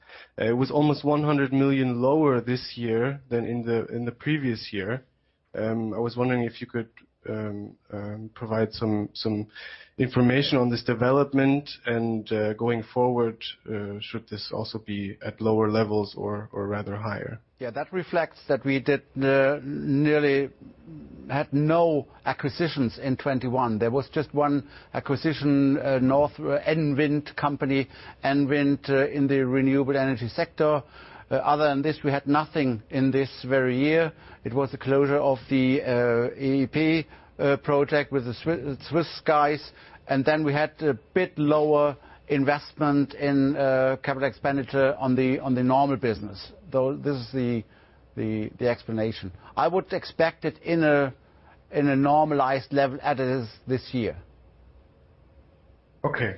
was almost 100 million lower this year than in the previous year. I was wondering if you could provide some information on this development and going forward should this also be at lower levels or rather higher? Yeah. That reflects that we did nearly had no acquisitions in 2021. There was just one acquisition, the NWind, NWind, in the renewable energy sector. Other than this, we had nothing in this very year. It was the closure of the EIP project with the Swiss guys, and then we had a bit lower investment in capital expenditure on the normal business. This is the explanation. I would expect it in a normalized level as it is this year. Okay.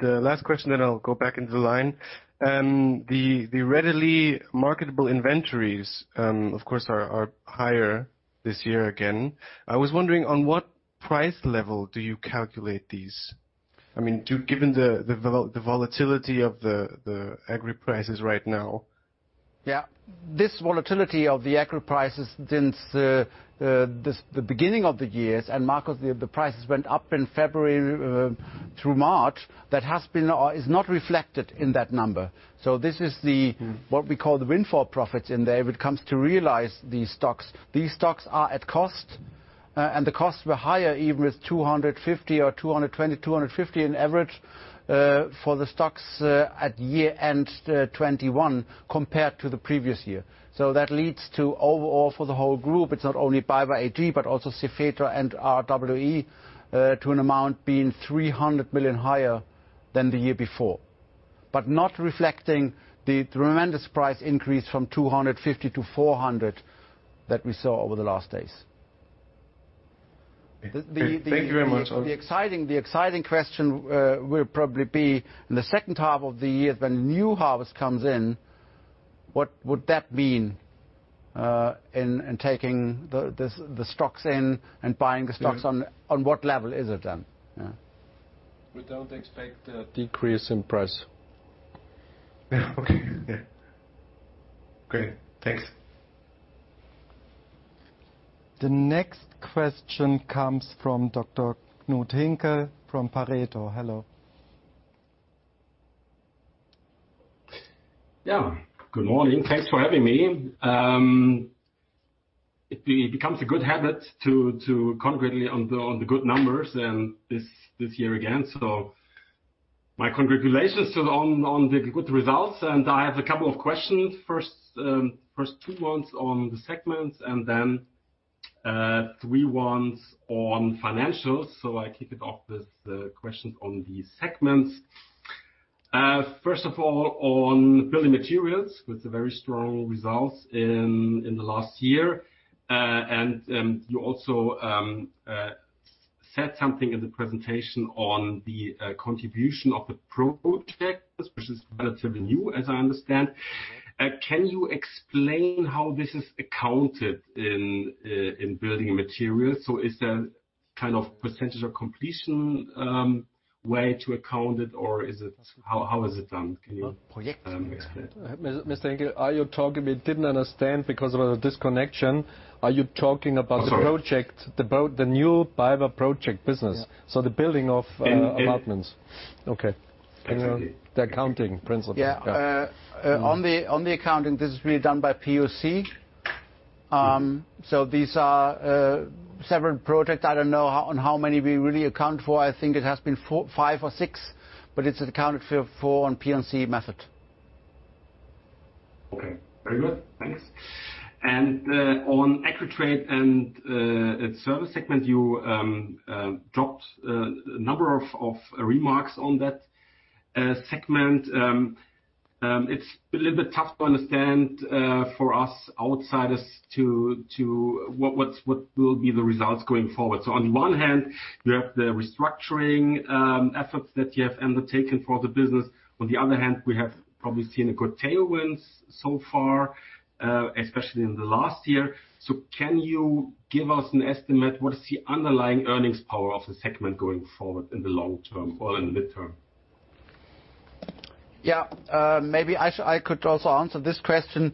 Last question then I'll go back into the line. The readily marketable inventories, of course, are higher this year again. I was wondering, on what price level do you calculate these? I mean, given the volatility of the agri prices right now. This volatility of the agri prices since the beginning of the year, and Marcus, the prices went up in February through March, that has been or is not reflected in that number. This is the- What we call the windfall profits in there when it comes to realize these stocks. These stocks are at cost, and the costs were higher even with 220-250 on average for the stocks at year-end 2021 compared to the previous year. That leads overall for the whole group, it's not only BayWa AG, but also Cefetra and RWA, to an amount being 300 million higher than the year before. Not reflecting the tremendous price increase from 250-400 that we saw over the last days. Thank you very much. The exciting question will probably be in the second half of the year when new harvest comes in, what would that mean in taking the stocks in and buying the stocks. On what level is it done? Yeah. We don't expect a decrease in price. Yeah. Okay. Yeah. Great. Thanks. The next question comes from Dr. Knud Hinkel from Pareto. Hello. Yeah. Good morning. Thanks for having me. It becomes a good habit to congratulate on the good numbers and this year again. My congratulations on the good results. I have a couple of questions. First, two on the segments and then three on financials. I kick it off with the questions on the segments. First of all, on Building Materials with the very strong results in the last year. You also said something in the presentation on the contribution of the projects, which is relatively new, as I understand. Can you explain how this is accounted in Building Materials? Is there kind of percentage of completion way to account it or how is it done? Can you explain? Mr. Hinkel, are you talking? We didn't understand because of the disconnection. Are you talking about the project? Oh, sorry. The new BayWa project business? Yeah. The building of apartments. In, in- Okay. Exactly. The accounting principle. Yeah, on the accounting, this is really done by POC. These are several projects. I don't know how many we really account for. I think it has been 4, 5 or 6, but it's accounted for on POC method. Okay. Very good. Thanks. On Agri Trade and Services segment, you dropped a number of remarks on that segment. It's a little bit tough to understand for us outsiders what will be the results going forward. On one hand, you have the restructuring efforts that you have undertaken for the business. On the other hand, we have probably seen good tailwinds so far, especially in the last year. Can you give us an estimate, what is the underlying earnings power of the segment going forward in the long term or in the midterm? Yeah. Maybe I could also answer this question.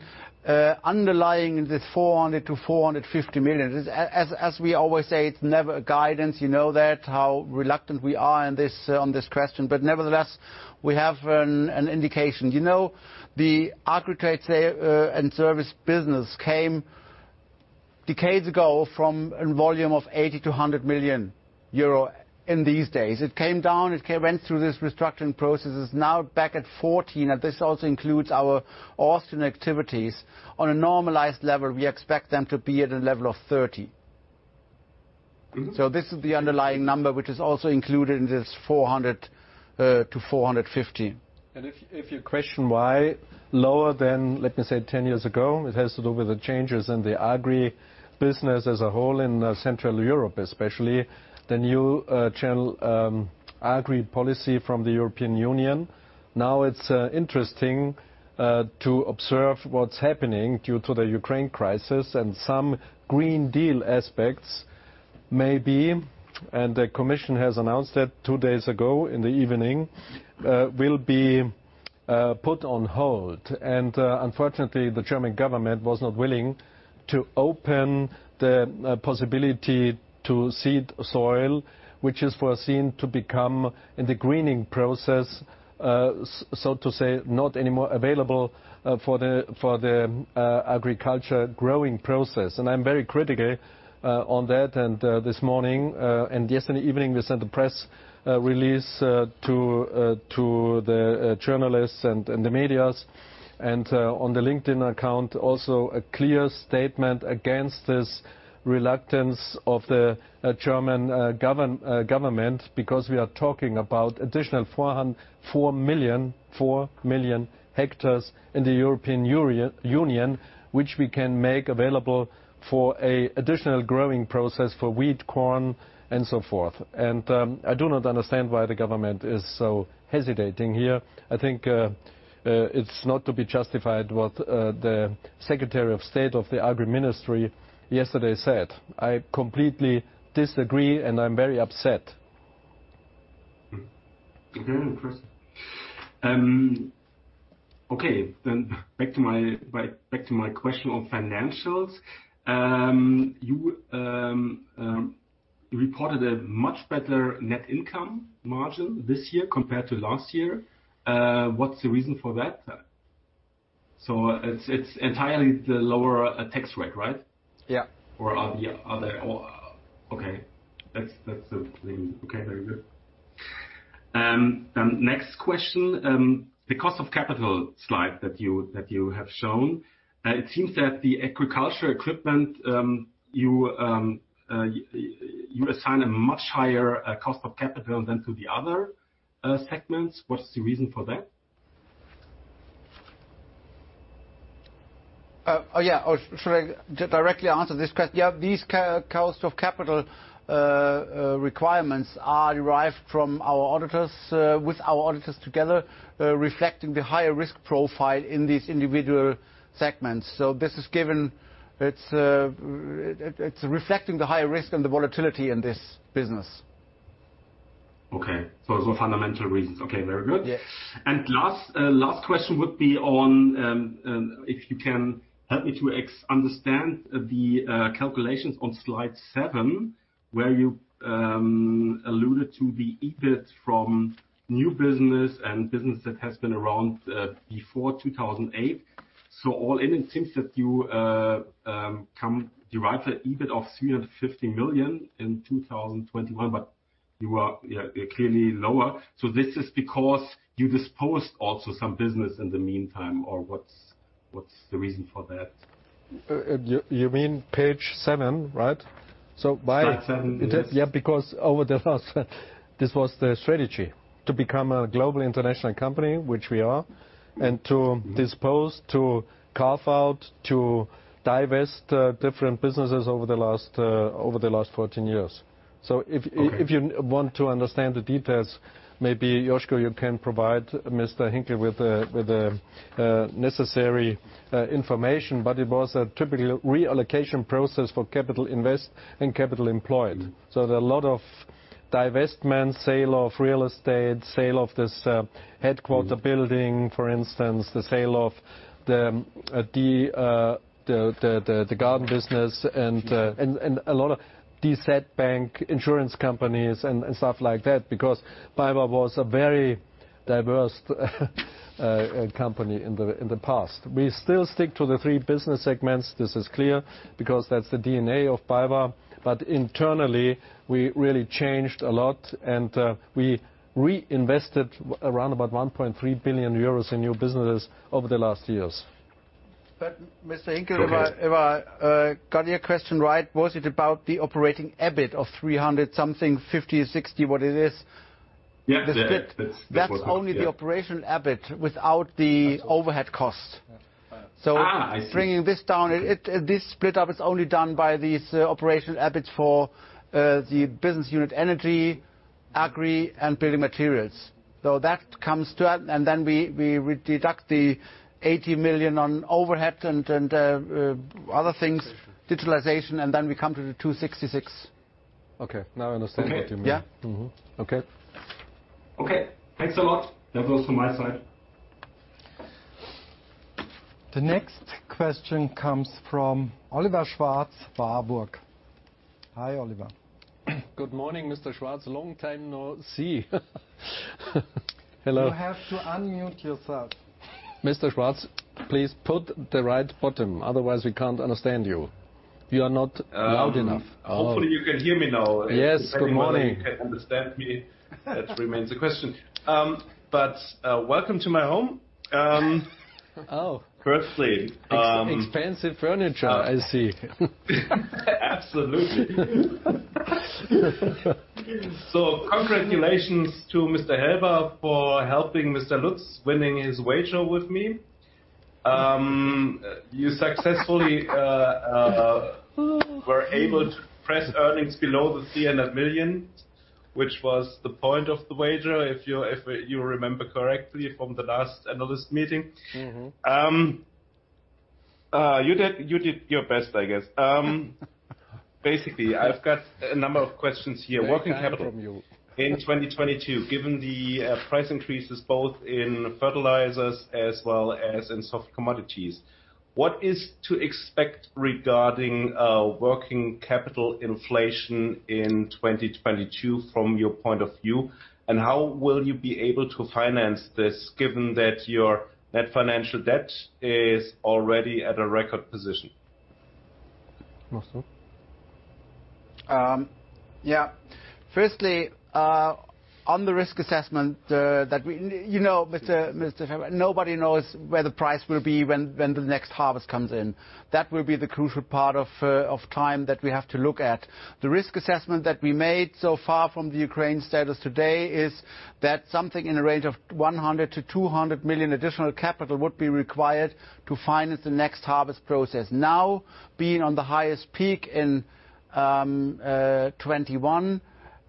Underlying the 400 million-450 million is, as we always say, it's never a guidance. You know that, how reluctant we are on this question. Nevertheless, we have an indication. You know, the aggregate sales and service business came decades ago from a volume of 80-100 million euro in those days. It came down, went through this restructuring processes. Now back at 14 million, and this also includes our Austrian activities. On a normalized level, we expect them to be at a level of 30 million. This is the underlying number, which is also included in this 400-450. If you question why lower than, let me say, 10 years ago, it has to do with the changes in the agri business as a whole in Central Europe, especially. The new common agri policy from the European Union. Now it's interesting to observe what's happening due to the Ukraine crisis and some European Green Deal aspects. Maybe the European Commission has announced that two days ago in the evening will be put on hold. Unfortunately, the German government was not willing to open the possibility to seed soil, which is foreseen to become in the greening process, so to say, not anymore available for the agriculture growing process. I'm very critical on that. This morning and yesterday evening, we sent a press release to the journalists and the media. On the LinkedIn account, also a clear statement against this reluctance of the German government, because we are talking about additional 4 million hectares in the European Union which we can make available for an additional growing process for wheat, corn, and so forth. I do not understand why the government is so hesitating here. I think it's not to be justified what the Secretary of State of the Agri Ministry yesterday said. I completely disagree, and I'm very upset. Okay, interesting. Okay, then back to my question on financials. You reported a much better net income margin this year compared to last year. What's the reason for that? It's entirely the lower tax rate, right? Yeah. Next question. The cost of capital slide that you have shown, it seems that the agriculture equipment, you assign a much higher cost of capital than to the other segments. What is the reason for that? Yeah, these cost of capital requirements are derived together with our auditors, reflecting the higher risk profile in these individual segments. This is given, it's reflecting the higher risk and the volatility in this business. Okay. Fundamental reasons. Okay. Very good. Yes. Last question would be on if you can help me to understand the calculations on slide seven, where you alluded to the EBIT from new business and business that has been around before 2008. All in, it seems that you derive an EBIT of 350 million in 2021, but you're clearly lower. This is because you disposed also some business in the meantime, or what's the reason for that? You mean page seven, right? Why- Slide seven, yes. Yeah, because over the last this was the strategy, to become a global international company, which we are, and to dispose, to carve out, to divest different businesses over the last 14 years. If- Okay. If you want to understand the details, maybe Josko, you can provide Mr. Hinkel with the necessary information. It was a typical reallocation process for capital investment and capital employed. There are a lot of divestment, sale of real estate, sale of this, headquarters building, for instance. The sale of the garden business and a lot of asset banks, insurance companies and stuff like that, because BayWa was a very diverse company in the past. We still stick to the three business segments. This is clear, because that's the DNA of BayWa. Internally, we really changed a lot. We reinvested around about 1.3 billion euros in new businesses over the last years. Mr. Hinkel- Okay. If I got your question right, was it about the operating EBIT of 350 or 360, what it is? Yeah. Yeah. That was it. Yeah. That's only the operational EBIT without the. That's it. overhead cost. Yeah. So- I see. Bringing this down, this split up is only done by these operational EBIT for the business unit Energy, Agri, and Building Materials. That comes to and then we deduct the 80 million on overhead and other things. Digitalization. digitalization, and then we come to the 266. Okay. Now I understand what you mean. Okay. Yeah. Okay. Okay. Thanks a lot. That was from my side. The next question comes from Oliver Schwarz, Warburg. Hi, Oliver. Good morning, Mr. Schwarz. Long time no see. Hello. You have to unmute yourself. Mr. Schwarz, please put the right button. Otherwise, we can't understand you. You are not loud enough. Hopefully you can hear me now. Yes. Good morning. Whether you can understand me, that remains the question. Welcome to my home. Oh. Firstly. Expensive furniture, I see. Absolutely. Congratulations to Mr. Helber for helping Mr. Lutz winning his wager with me. You successfully were able to press earnings below 300 million, which was the point of the wager, if you remember correctly from the last analyst meeting. You did your best, I guess. Basically, I've got a number of questions here. Waiting to hear from you. Working capital in 2022, given the price increases both in fertilizers as well as in soft commodities, what is to expect regarding working capital inflation in 2022 from your point of view? And how will you be able to finance this given that your net financial debt is already at a record position? Helber? Firstly, on the risk assessment, you know, Mr. Schwarz, nobody knows where the price will be when the next harvest comes in. That will be the crucial part of time that we have to look at. The risk assessment that we made so far from the Ukraine status today is that something in the range of 100 million-200 million additional capital would be required to finance the next harvest process. Now, being on the highest peak in 2021,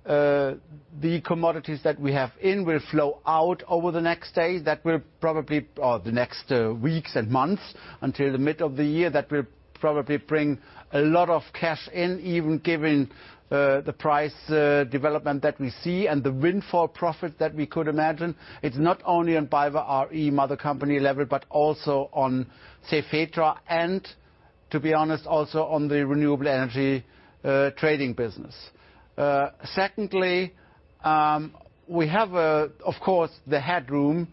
the commodities that we have in will flow out over the next day. That will probably or the next weeks and months until the mid of the year, that will probably bring a lot of cash in, even given the price development that we see and the windfall profit that we could imagine. It's not only on BayWa r.e. mother company level, but also on, say, Cefetra and to be honest, also on the renewable energy trading business. Secondly, we have of course the headroom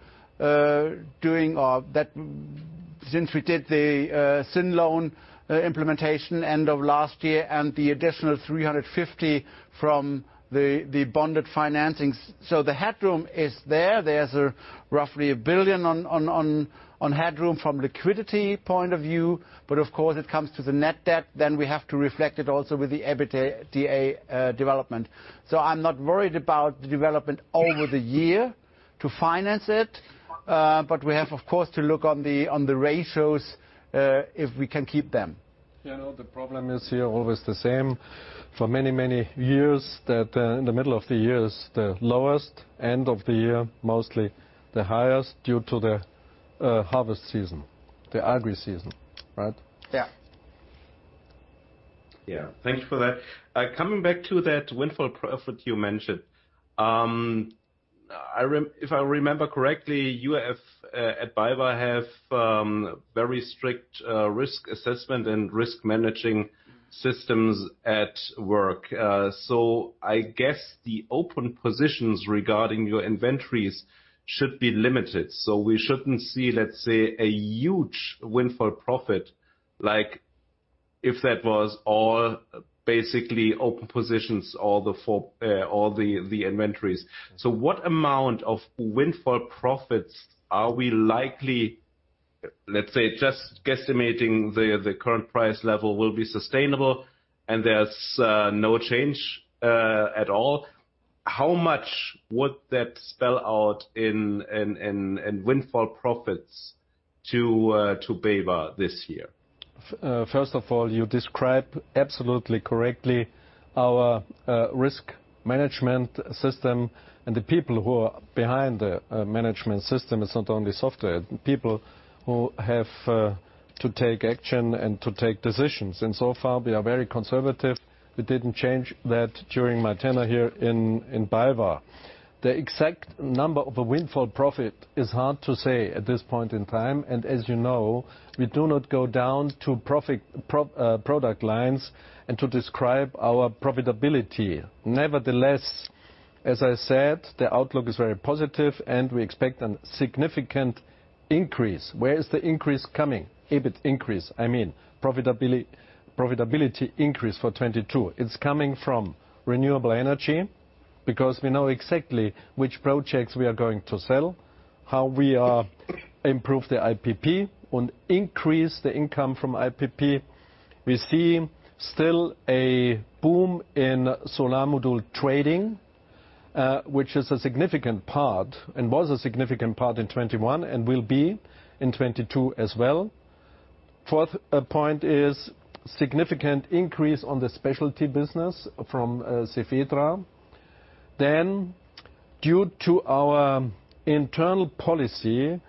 since we did the syn loan implementation end of last year and the additional 350 million from the bonded financings. The headroom is there. There's roughly 1 billion of headroom from liquidity point of view, but of course, when it comes to the net debt, then we have to reflect it also with the EBITDA development. I'm not worried about the development over the year to finance it. But we have of course to look at the ratios if we can keep them. You know, the problem is here always the same for many, many years that, in the middle of the year is the lowest, end of the year, mostly the highest due to the harvest season, the agri season, right? Yeah. Yeah. Thank you for that. Coming back to that windfall profit you mentioned, if I remember correctly, you have at BayWa very strict risk assessment and risk management systems at work. I guess the open positions regarding your inventories should be limited. We shouldn't see, let's say, a huge windfall profit, like if that was all basically open positions or the inventories. What amount of windfall profits are we likely, let's say, just guesstimating the current price level will be sustainable and there's no change at all. How much would that spell out in windfall profits to BayWa this year? First of all, you describe absolutely correctly our risk management system and the people who are behind the management system. It's not only software. People who have to take action and to take decisions. So far, we are very conservative. We didn't change that during my tenure here in BayWa. The exact number of a windfall profit is hard to say at this point in time. As you know, we do not go down to product lines and to describe our profitability. Nevertheless, as I said, the outlook is very positive, and we expect a significant increase. Where is the increase coming? EBIT increase, I mean. Profitability increase for 2022. It's coming from renewable energy because we know exactly which projects we are going to sell, how we are improve the IPP and increase the income from IPP. We see still a boom in solar module trading, which is a significant part and was a significant part in 2021 and will be in 2022 as well. Fourth point is significant increase on the specialty business from Sedaco. Due to our internal policy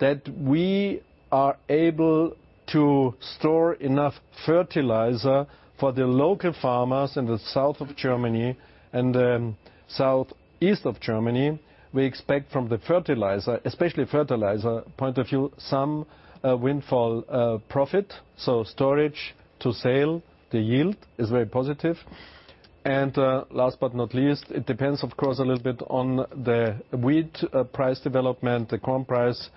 that we are able to store enough fertilizer for the local farmers in the south of Germany and the southeast of Germany, we expect from the fertilizer, especially fertilizer point of view, some windfall profit. Storage to sale, the yield is very positive. Last but not least, it depends, of course, a little bit on the wheat price development, the corn price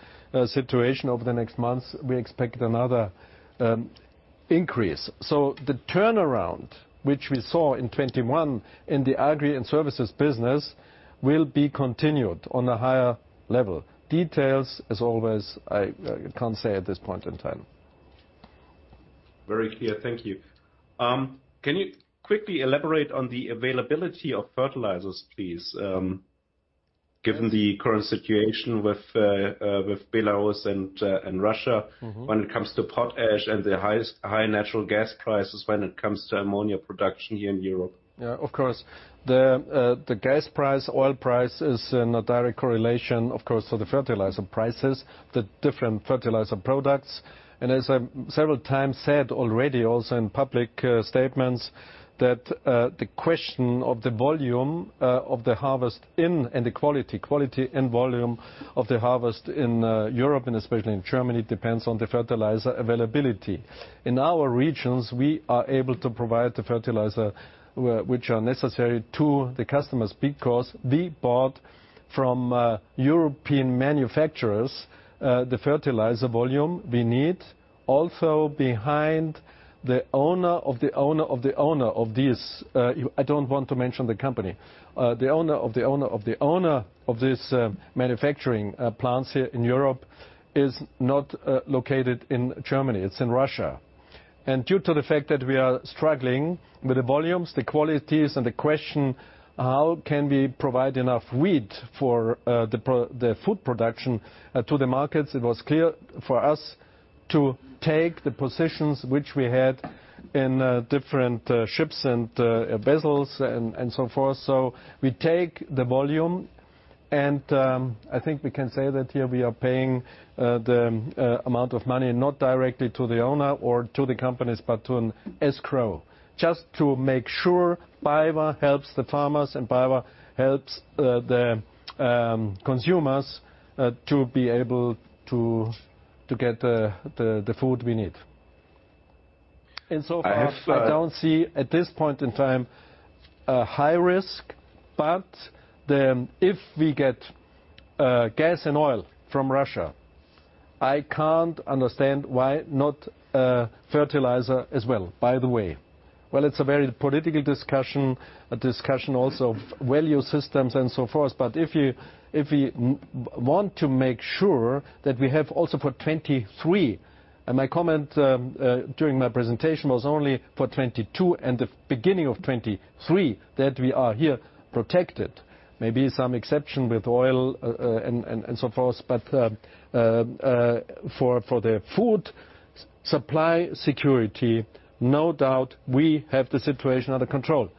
situation over the next months. We expect another increase. The turnaround, which we saw in 2021 in the agri and services business, will be continued on a higher level. Details, as always, I can't say at this point in time. Very clear. Thank you. Can you quickly elaborate on the availability of fertilizers, please? Given the current situation with Belarus and Russia.... when it comes to potash and the high natural gas prices when it comes to ammonia production here in Europe. Yeah, of course. The gas price, oil price is in a direct correlation, of course, to the fertilizer prices, the different fertilizer products. As I several times said already also in public statements, the question of the volume of the harvest, and the quality and volume of the harvest in Europe and especially in Germany, depends on the fertilizer availability. In our regions, we are able to provide the fertilizer which are necessary to the customers because we bought from European manufacturers the fertilizer volume we need. Also, behind the owner of the owner of the owner of this manufacturing plants here in Europe, I don't want to mention the company, is not located in Germany. It's in Russia. Due to the fact that we are struggling with the volumes, the qualities and the question, how can we provide enough wheat for the food production to the markets, it was clear for us to take the positions which we had in different ships and vessels and so forth. We take the volume and I think we can say that here we are paying the amount of money not directly to the owner or to the companies, but to an escrow. Just to make sure BayWa helps the farmers and BayWa helps the consumers to be able to get the food we need. I have. So far I don't see at this point in time a high risk. If we get gas and oil from Russia, I can't understand why not fertilizer as well, by the way. Well, it's a very political discussion, a discussion also of value systems and so forth. If we want to make sure that we have also for 2023, and my comment during my presentation was only for 2022 and the beginning of 2023, that we are here protected. Maybe some exception with oil and so forth. For the food supply security, no doubt we have the situation under control.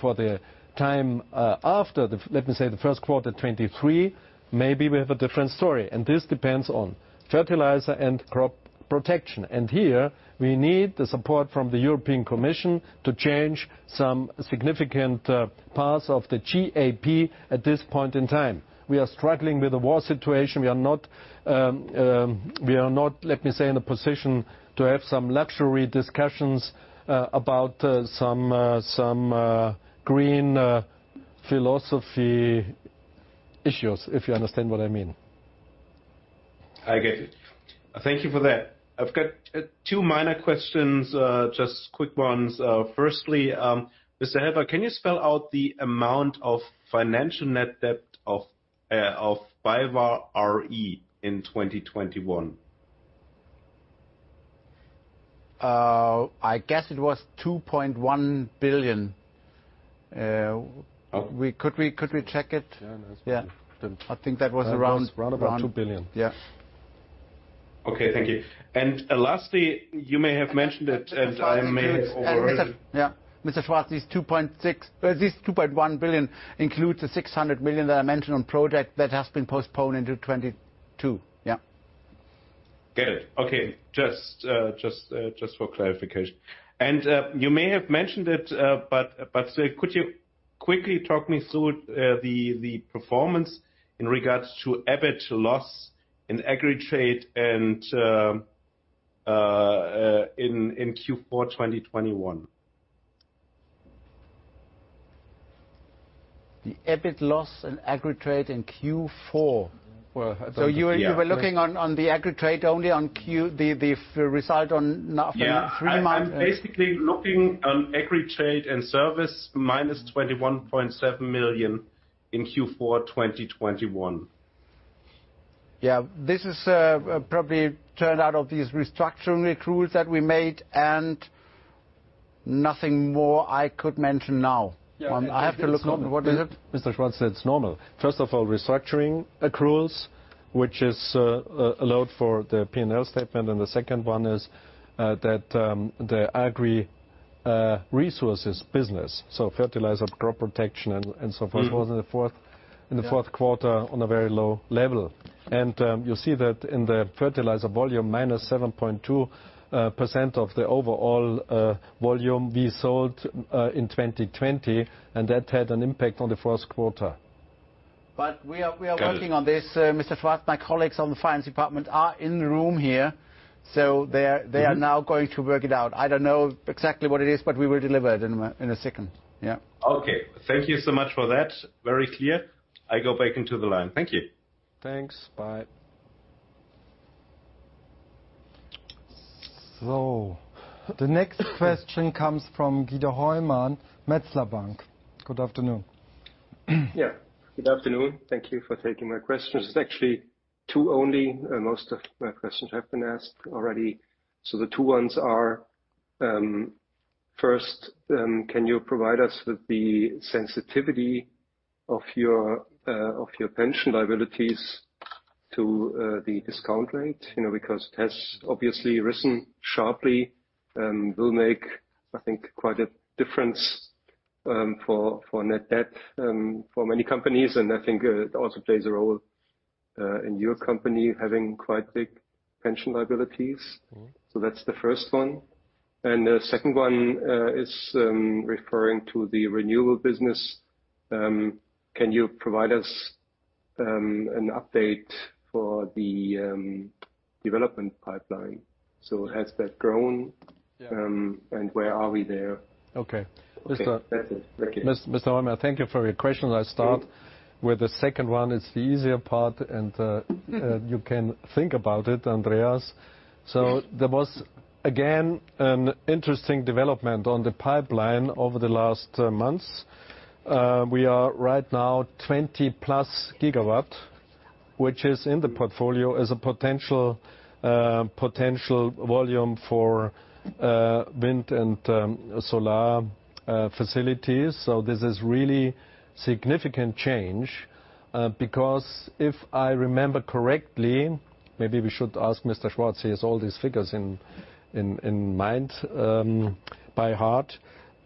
For the time after, let me say, the first quarter 2023, maybe we have a different story, and this depends on fertilizer and crop protection. Here we need the support from the European Commission to change some significant parts of the CAP at this point in time. We are struggling with the war situation. We are not, let me say, in a position to have some luxury discussions about some green philosophy issues, if you understand what I mean. I get it. Thank you for that. I've got two minor questions, just quick ones. Firstly, Mr. Helber, can you spell out the amount of financial net debt of BayWa r.e. in 2021? I guess it was 2.1 billion. Could we check it? Yeah, that's good. Yeah. I think that was around. That was round about 2 billion. Yeah. Okay, thank you. Lastly, you may have mentioned it and I may have overheard it. Mr. Schwarz, this 2.1 billion includes the 600 million that I mentioned on project that has been postponed into 2022. Got it. Okay. Just for clarification, you may have mentioned it, but could you quickly talk me through the performance in regards to EBIT loss in Agri Trade and in Q4 2021? The EBIT loss in Agri Trade in Q4? Well, yeah. You were looking on the Agri Trade only on Q... the result on from three months- Yeah. I'm basically looking at Agri Trade & Services -EUR 21.7 million in Q4 2021. Yeah. This is probably turned out of these restructuring accruals that we made and nothing more I could mention now. Yeah. I have to look on. What is it? Mr. Schwarz, that's normal. First of all, restructuring accruals, which is allowed for the P&L statement. The second one is that the agri resources business, so fertilizer, crop protection and so forth, was in the fourth quarter on a very low level. You see that in the fertilizer volume, minus 7.2% of the overall volume we sold in 2020, and that had an impact on the first quarter. We are working on this, Mr. Schwarz. My colleagues on the finance department are in the room here, so they are now going to work it out. I don't know exactly what it is, but we will deliver it in a second. Yeah. Okay. Thank you so much for that. Very clear. I go back into the line. Thank you. Thanks. Bye. The next question comes from Guido Hoymann, Metzler Bank. Good afternoon. Good afternoon. Thank you for taking my questions. It's actually two only. Most of my questions have been asked already. The two ones are, first, can you provide us with the sensitivity of your pension liabilities to the discount rate? You know, because it has obviously risen sharply and will make, I think, quite a difference for net debt for many companies. I think it also plays a role in your company having quite big pension liabilities. That's the first one. The second one is referring to the renewable business. Can you provide us an update for the development pipeline? Has that grown? Yeah. Where are we there? Okay. That's it. Thank you. Mr. Hoymann, thank you for your question. I start with the second one. It's the easier part, and you can think about it, Andreas. Yes. There was again an interesting development on the pipeline over the last months. We are right now 20+ GW, which is in the portfolio as a potential volume for wind and solar facilities. This is really a significant change, because if I remember correctly, maybe we should ask Mr. Schwarz. He has all these figures in mind by heart.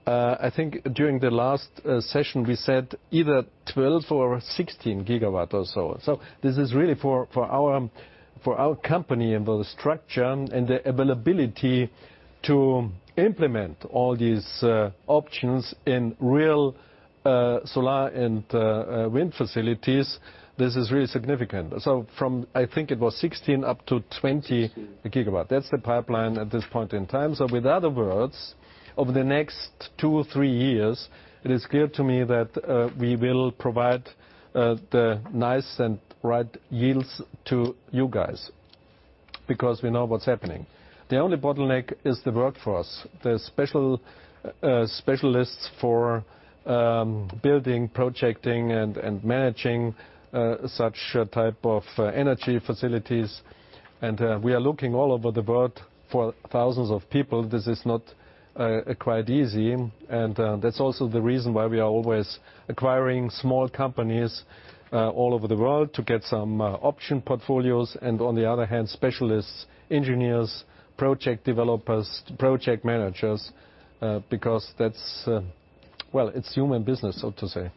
I think during the last session we said either 12 or 16 GW or so. This is really for our company and the structure and the availability to implement all these options in real solar and wind facilities. This is really significant. From, I think it was 16 up to 20 GW. That's the pipeline at this point in time. In other words, over the next 2-3 years, it is clear to me that we will provide the nice and right yields to you guys because we know what's happening. The only bottleneck is the workforce. There are special specialists for building, projecting, and managing such type of energy facilities. We are looking all over the world for thousands of people. This is not quite easy. That's also the reason why we are always acquiring small companies all over the world to get some option portfolios. On the other hand, specialists, engineers, project developers, project managers, because that's well, it's human business, so to say.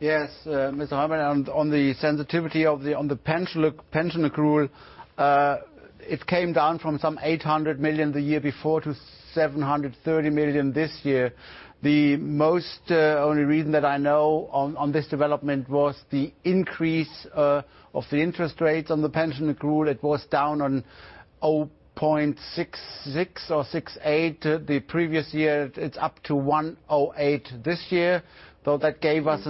Yes, Mr. Hoymann, on the sensitivity of the pension accrual, it came down from some 800 million the year before to 730 million this year. The only reason that I know on this development was the increase of the interest rates on the pension accrual. It was down to 0.66 or 0.68 the previous year. It's up to 1.08 this year. So that gave us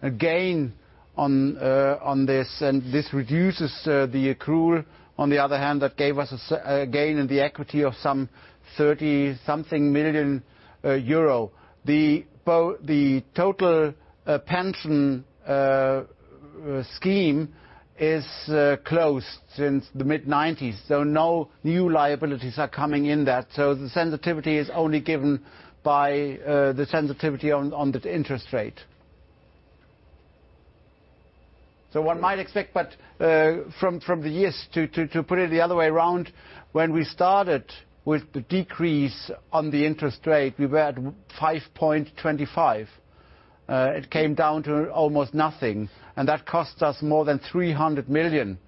a gain on this, and this reduces the accrual. On the other hand, that gave us a gain in the equity of some 30 something million EUR. The total pension scheme is closed since the mid-1990s, so no new liabilities are coming in that. The sensitivity is only given by the sensitivity on the interest rate. One might expect, but from the years to put it the other way around, when we started with the decrease on the interest rate, we were at 5.25. It came down to almost nothing, and that cost us more than 300 million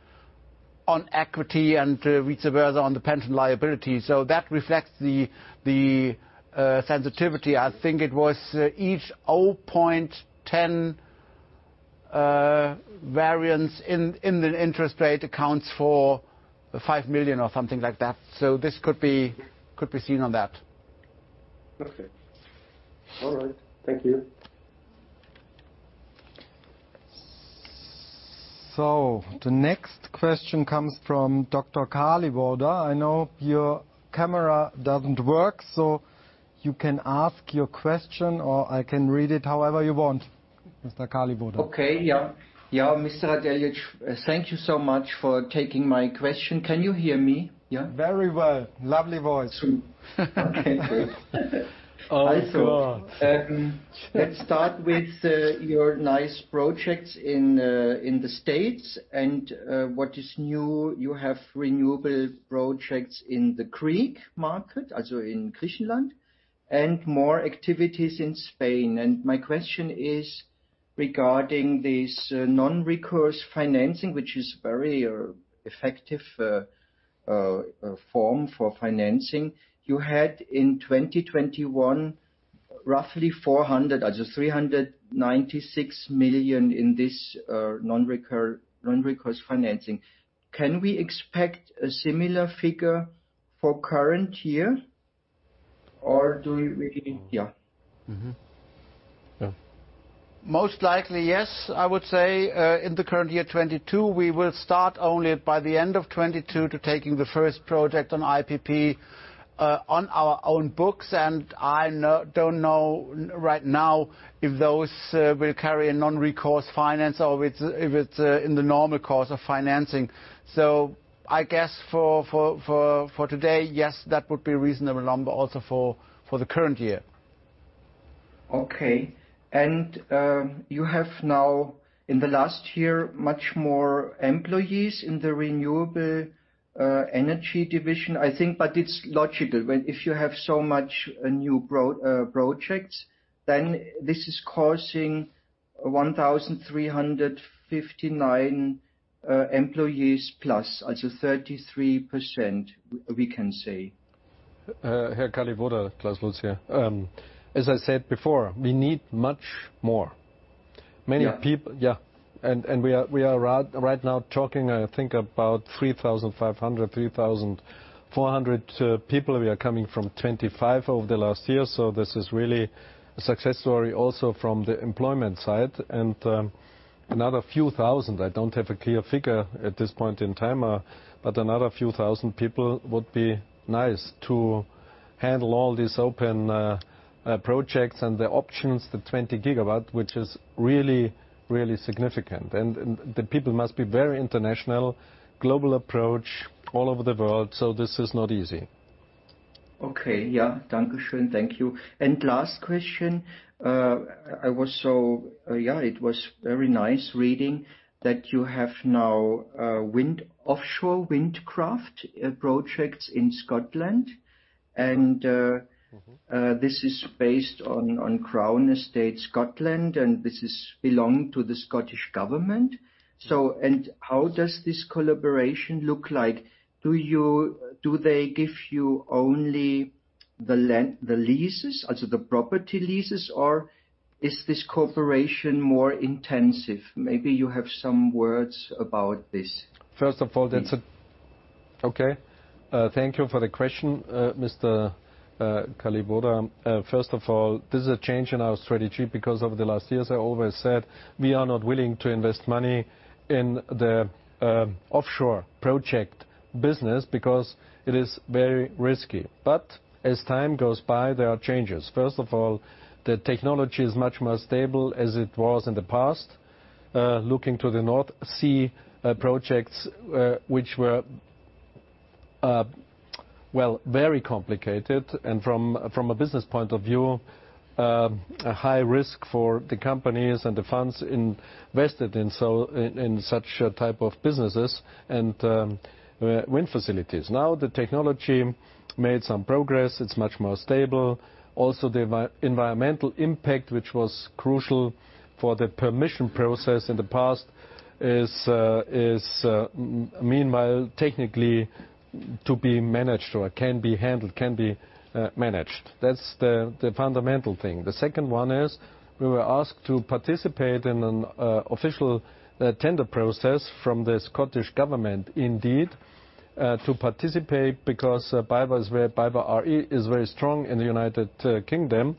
on equity and vice versa on the pension liability. That reflects the sensitivity. I think it was each 0.10 variance in the interest rate accounts for 5 million or something like that. This could be seen on that. Okay. All right. Thank you. The next question comes from Dr. Kaliboda. I know your camera doesn't work, so you can ask your question or I can read it however you want. Mr. Kaliboda. Okay. Yeah. Yeah, Mr. Radeljic, thank you so much for taking my question. Can you hear me? Yeah. Very well. Lovely voice. Okay, good. Oh, God. Let's start with your nice projects in the States and what is new. You have renewable projects in the Greek market, also in Griechenland, and more activities in Spain. My question is regarding this non-recourse financing, which is very effective form for financing. You had in 2021, roughly 400 million or just 396 million in this non-recourse financing. Can we expect a similar figure for current year or do we begin. Yeah. Yeah. Most likely, yes. I would say, in the current year 2022, we will start only by the end of 2022 to taking the first project on IPP, on our own books. I don't know right now if those will carry a non-recourse financing or if it's in the normal course of financing. I guess for today, yes, that would be a reasonable number also for the current year. Okay. You have now in the last year much more employees in the renewable, energy division, I think. It's logical when if you have so much, new projects, then this is causing 1,359 employees plus. That's a 33% we can say. Herr Kaliboda, Klaus Lutz here. As I said before, we need much more. Yeah. Yeah. We are right now talking, I think, about 3,500, 3,400 people. We are coming from 25 over the last year, so this is really a success story also from the employment side. Another few thousand, I don't have a clear figure at this point in time, but another few thousand people would be nice to handle all these open projects and the options, the 20 GW, which is really significant. The people must be very international, global approach all over the world, so this is not easy. Okay. Yeah. Thank you, schön. Thank you. Last question. It was very nice reading that you have now offshore windkraft projects in Scotland. This is based on Crown Estate Scotland, and this belongs to the Scottish Government. How does this collaboration look like? Do they give you only the leases, also the property leases, or is this cooperation more intensive? Maybe you have some words about this. Thank you for the question, Mr. Kaliboda. First of all, this is a change in our strategy because over the last years, I always said we are not willing to invest money in the offshore project business because it is very risky. As time goes by, there are changes. First of all, the technology is much more stable as it was in the past, looking to the North Sea projects, which were well very complicated and from a business point of view, a high risk for the companies and the funds invested in such type of businesses and wind facilities. Now, the technology made some progress, it's much more stable. Also, the environmental impact, which was crucial for the permission process in the past, is meanwhile technically to be managed or can be handled. That's the fundamental thing. The second one is we were asked to participate in an official tender process from the Scottish Government indeed to participate because BayWa r.e. is very strong in the United Kingdom.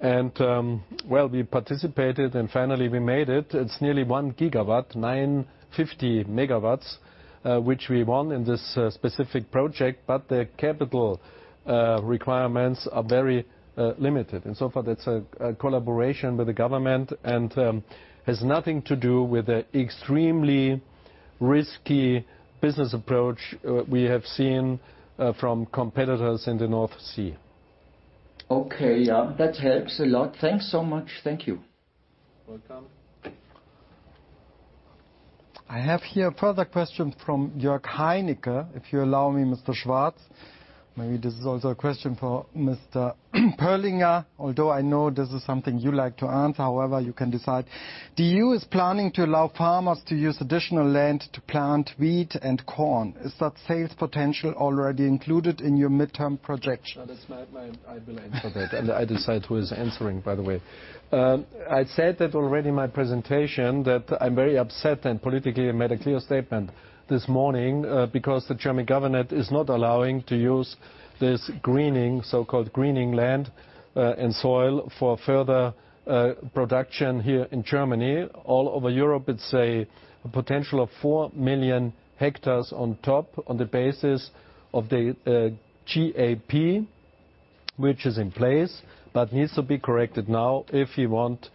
Well, we participated, and finally we made it. It's nearly 1 GW, 950 MW, which we won in this specific project, but the capital requirements are very limited. So far, that's a collaboration with the government and has nothing to do with the extremely risky business approach we have seen from competitors in the North Sea. Okay. Yeah. That helps a lot. Thanks so much. Thank you. Welcome. I have here a further question from Jörg Heinicke. If you allow me, Mr. Schwarz. Maybe this is also a question for Mr. Pöllinger, although I know this is something you like to answer. However, you can decide. The EU is planning to allow farmers to use additional land to plant wheat and corn. Is that sales potential already included in your midterm projection? I will answer that. I decide who is answering, by the way. I said that already in my presentation that I'm very upset and politically I made a clear statement this morning because the German government is not allowing to use this greening, so-called greening land and soil for further production here in Germany. All over Europe, it's a potential of 4 million hectares on top of the basis of the CAP which is in place, but needs to be corrected now if we want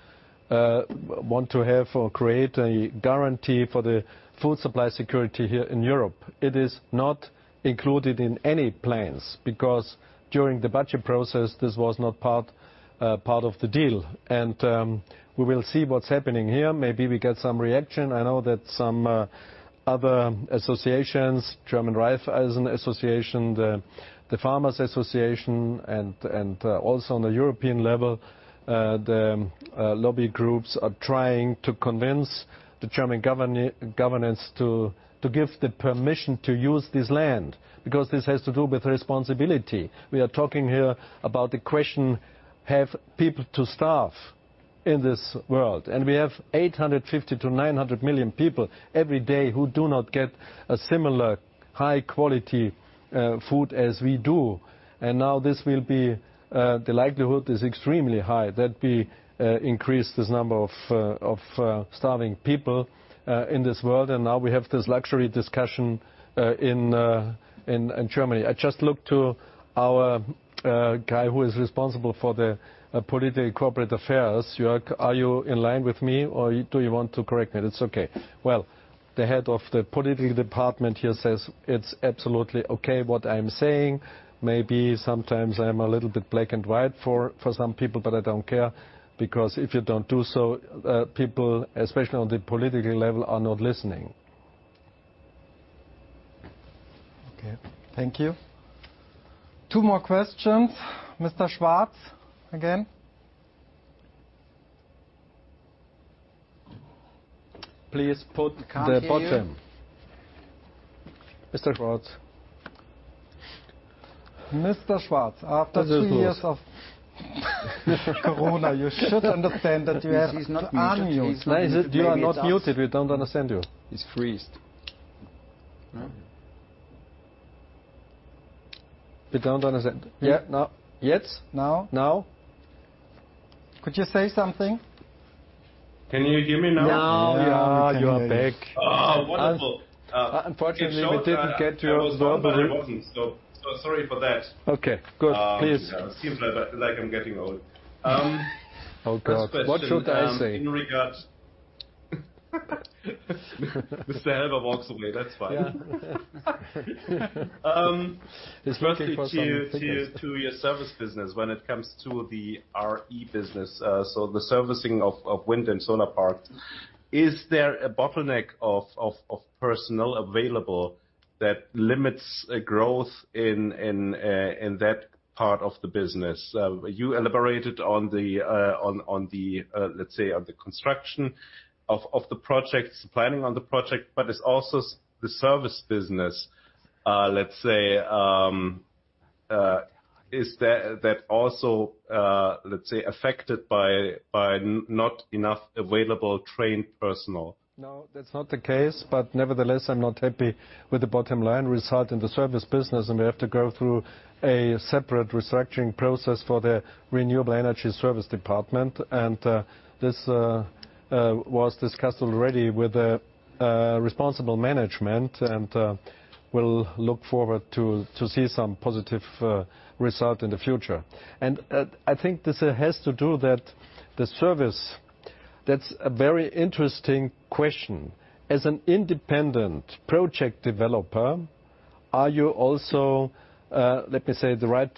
to have or create a guarantee for the food supply security here in Europe. It is not included in any plans because during the budget process, this was not part of the deal. We will see what's happening here. Maybe we get some reaction. I know that some other associations, German Raiffeisen Association, the German Farmers' Association and also on the European level, the lobby groups are trying to convince the German government to give the permission to use this land, because this has to do with responsibility. We are talking here about the question, have people to starve in this world. We have 850-900 million people every day who do not get a similar high quality food as we do. Now this will be the likelihood is extremely high that we increase this number of starving people in this world. Now we have this luxury discussion in Germany. I just look to our guy who is responsible for the political corporate affairs. Jörg, are you in line with me or do you want to correct me? That's okay. Well, the head of the political department here says it's absolutely okay what I'm saying. Maybe sometimes I'm a little bit black and white for some people, but I don't care, because if you don't do so, people, especially on the political level, are not listening. Okay, thank you. Two more questions. Mr. Schwarz, again. Please put the bottom. Can't hear you. Mr. Schwarz. Mr. Schwarz, after 2 years of corona, you should understand that you have to unmute. He's not unmuted. No, you are not muted. We don't understand you. He's frozen. No. We don't understand. Yeah, now. Yes? Now? Now. Could you say something? Can you hear me now? Now we can hear you. Now. You are back. Oh, wonderful. Unfortunately, we didn't get your whole. I was a little bit rotten, so sorry for that. Okay, good. Please. It seems like I'm getting old. Oh, God. What should I say? First question, in regard Mr. Helber walks away, that's fine. Yeah. He's looking for some papers. First to your service business when it comes to the RE business, so the servicing of wind and solar parks. Is there a bottleneck of personnel available that limits growth in that part of the business? You elaborated on the construction of the projects, planning of the project, but it's also the service business. Let's say, is that also affected by not enough available trained personnel? No, that's not the case. Nevertheless, I'm not happy with the bottom line result in the service business, and we have to go through a separate restructuring process for the renewable energy service department. This was discussed already with responsible management, and we'll look forward to see some positive result in the future. I think this has to do with the service, that's a very interesting question. As an independent project developer, are you also, let me say, the right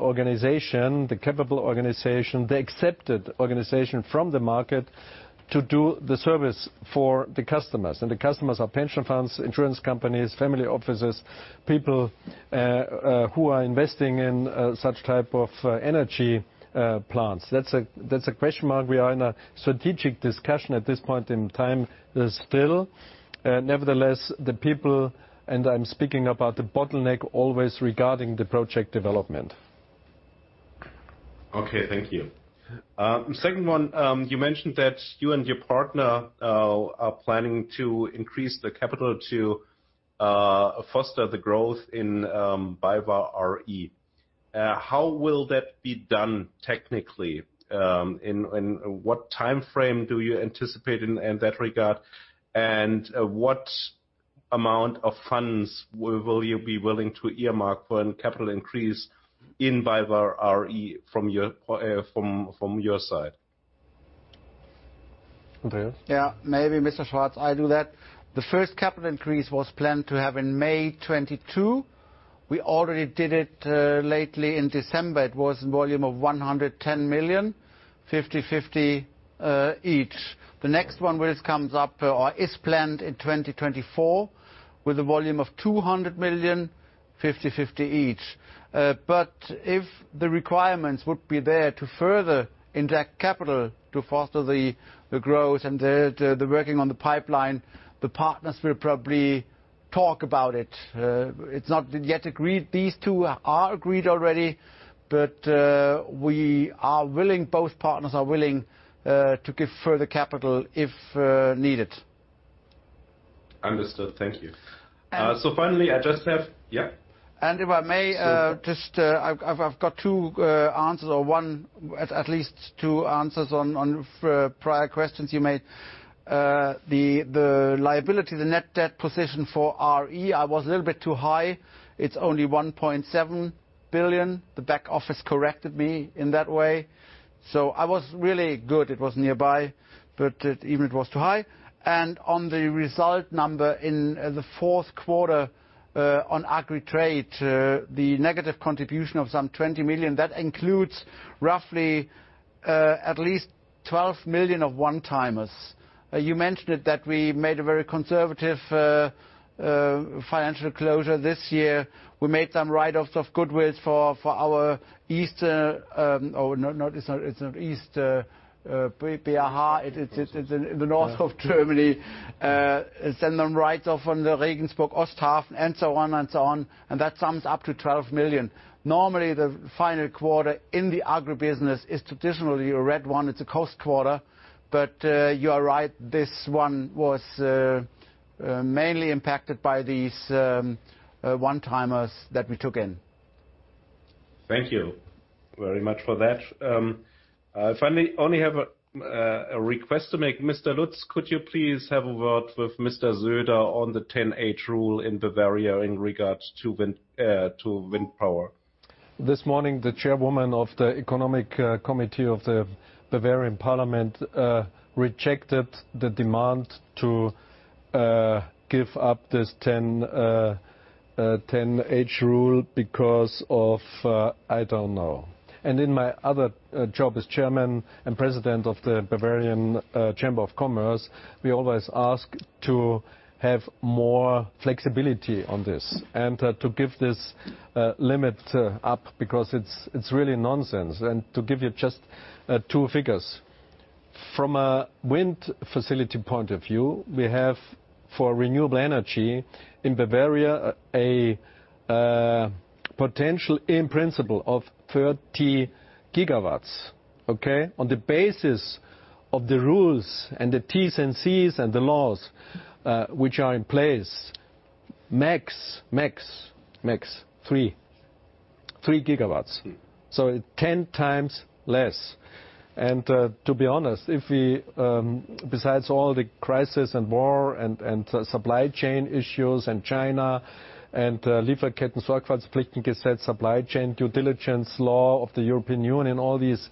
organization, the capable organization, the accepted organization from the market to do the service for the customers? The customers are pension funds, insurance companies, family offices, people who are investing in such type of energy plants. That's a question mark. We are in a strategic discussion at this point in time still. Nevertheless, the people, and I'm speaking about the bottleneck always regarding the project development. Okay, thank you. Second one. You mentioned that you and your partner are planning to increase the capital to foster the growth in BayWa r.e. How will that be done technically? In what timeframe do you anticipate in that regard? And what amount of funds will you be willing to earmark for a capital increase in BayWa r.e. from your side? Matthias? Yeah. Maybe Mr. Schwarz, I do that. The first capital increase was planned to have in May 2022. We already did it lately in December. It was volume of 110 million, 50/50 each. The next one which comes up or is planned in 2024 with a volume of 200 million, 50/50 each. But if the requirements would be there to further inject capital to foster the growth and the working on the pipeline, the partners will probably talk about it. It's not yet agreed. These two are agreed already, but we are willing, both partners are willing, to give further capital if needed. Understood. Thank you. Finally, I just have. Yeah. If I may, just, I've got two answers or one, at least two answers on prior questions you made. The net debt position for RE, I was a little bit too high. It's only 1.7 billion. The back office corrected me in that way. I was really good. It was nearby, but even it was too high. On the result number in the fourth quarter, on agri trade, the negative contribution of some 20 million, that includes roughly at least 12 million of one-timers. You mentioned it, that we made a very conservative financial closure this year. We made some write-offs of goodwill for BRH. It's in the north of Germany, and then write-off on the Regensburg Osthafen and so on, and that sums up to 12 million. Normally, the final quarter in the agri business is traditionally a red one. It's a cost quarter. You are right, this one was mainly impacted by these one-timers that we took in. Thank you very much for that. I finally only have a request to make. Mr. Lutz, could you please have a word with Mr. Söder on the 10H rule in Bavaria in regards to wind power? This morning, the chairwoman of the Economic Committee of the Bavarian Parliament rejected the demand to give up this 10H rule because of, I don't know. In my other job as chairman and president of the Bavarian Chamber of Commerce, we always ask to have more flexibility on this and to give this limit up because it's really nonsense. To give you just two figures. From a wind facility point of view, we have for renewable energy in Bavaria, a potential in principle of 30 GWs. Okay? On the basis of the rules and the T's and C's and the laws which are in place, max 3 GWs. So 10x less. To be honest, if we, besides all the crises and war and supply chain issues and China and supply chain due diligence law of the European Union, all these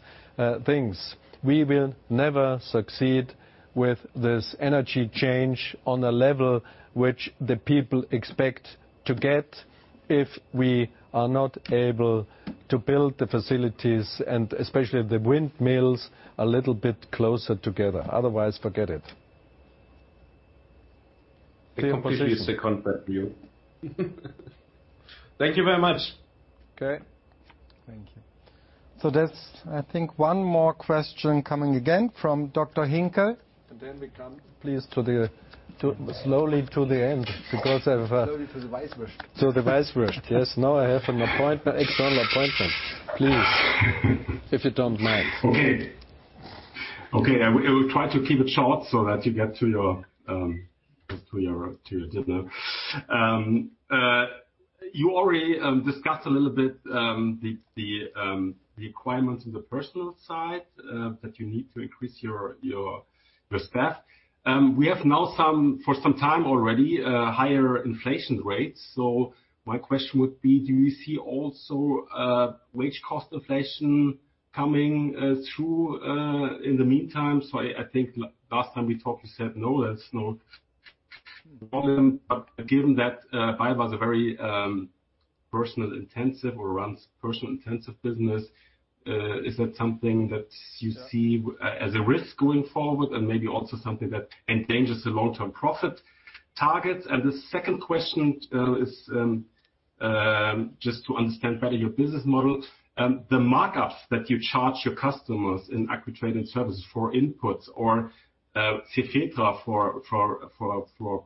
things, we will never succeed with this energy change on a level which the people expect to get if we are not able to build the facilities and especially the windmills a little bit closer together. Otherwise, forget it. Completely is a contract view. Thank you very much. Okay. Thank you. There's, I think, one more question coming again from Dr. Knud Hinkel. Then we come, please, slowly to the end because I've Slowly to the Weißwurst. To the Weißwurst. Yes. Now I have an appointment, external appointment. Please, if you don't mind. I will try to keep it short so that you get to your dinner. You already discussed a little bit the requirements on the personnel side that you need to increase your staff. We have now some, for some time already, higher inflation rates. My question would be, do you see also wage cost inflation coming through in the meantime? I think last time we talked, you said, no, that's not problem. But given that, BayWa is a very personnel-intensive business, is that something that you see as a risk going forward and maybe also something that endangers the long-term profit targets? The second question is just to understand better your business model. The markups that you charge your customers in Agri Trade and Services for inputs or for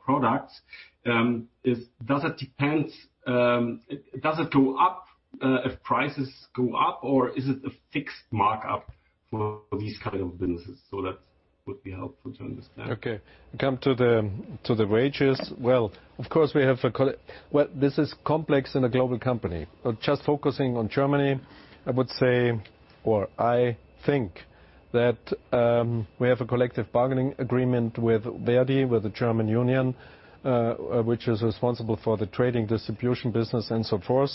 products, does it depend, does it go up if prices go up, or is it a fixed markup for these kind of businesses? That would be helpful to understand. Okay. Come to the wages. Well, of course, this is complex in a global company, but just focusing on Germany, I would say, I think that we have a collective bargaining agreement with ver.di, with the German union, which is responsible for the trading distribution business and so forth.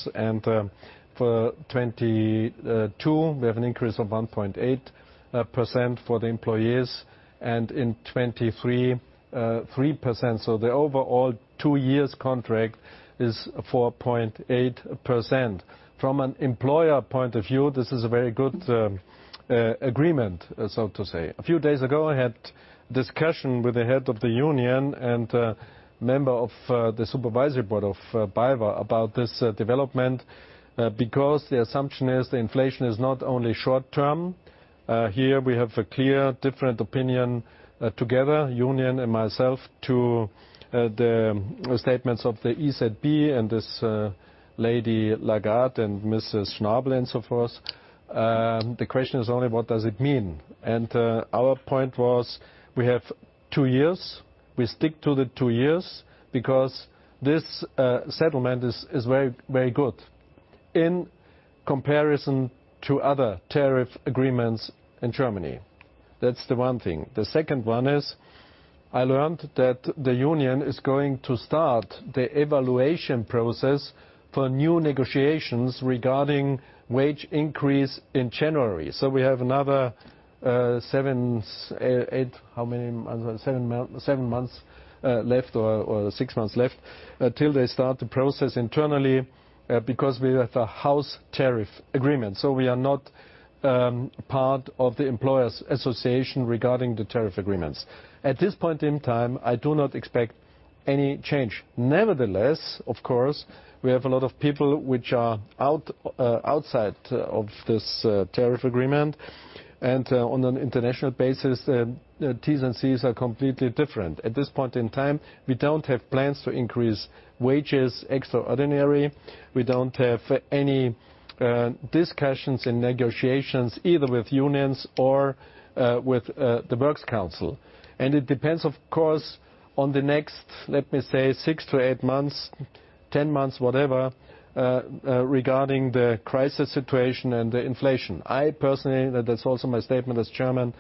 For 2022, we have an increase of 1.8% for the employees, and in 2023, 3%. The overall two years contract is 4.8%. From an employer point of view, this is a very good agreement, so to say. A few days ago, I had discussion with the head of the union and a member of the supervisory board of BayWa about this development, because the assumption is the inflation is not only short-term. Here we have a clearly different opinion together with the union and myself to the statements of the EZB and this lady Lagarde and Mrs. Schnabel and so forth. The question is only what does it mean? Our point was we have two years. We stick to the two years because this settlement is very, very good in comparison to other tariff agreements in Germany. That's the one thing. The second one is I learned that the union is going to start the evaluation process for new negotiations regarding wage increase in January. We have another seven or eight, how many? seven months left or seven months left until they start the process internally because we have an in-house tariff agreement. We are not part of the employers association regarding the tariff agreements. At this point in time, I do not expect any change. Nevertheless, of course, we have a lot of people which are out, outside of this tariff agreement, and on an international basis, the T's and C's are completely different. At this point in time, we don't have plans to increase wages extraordinary. We don't have any discussions and negotiations either with unions or with the works council. It depends, of course, on the next, let me say, 6-8 months, 10 months, whatever, regarding the crisis situation and the inflation. I personally, that's also my statement as Chairman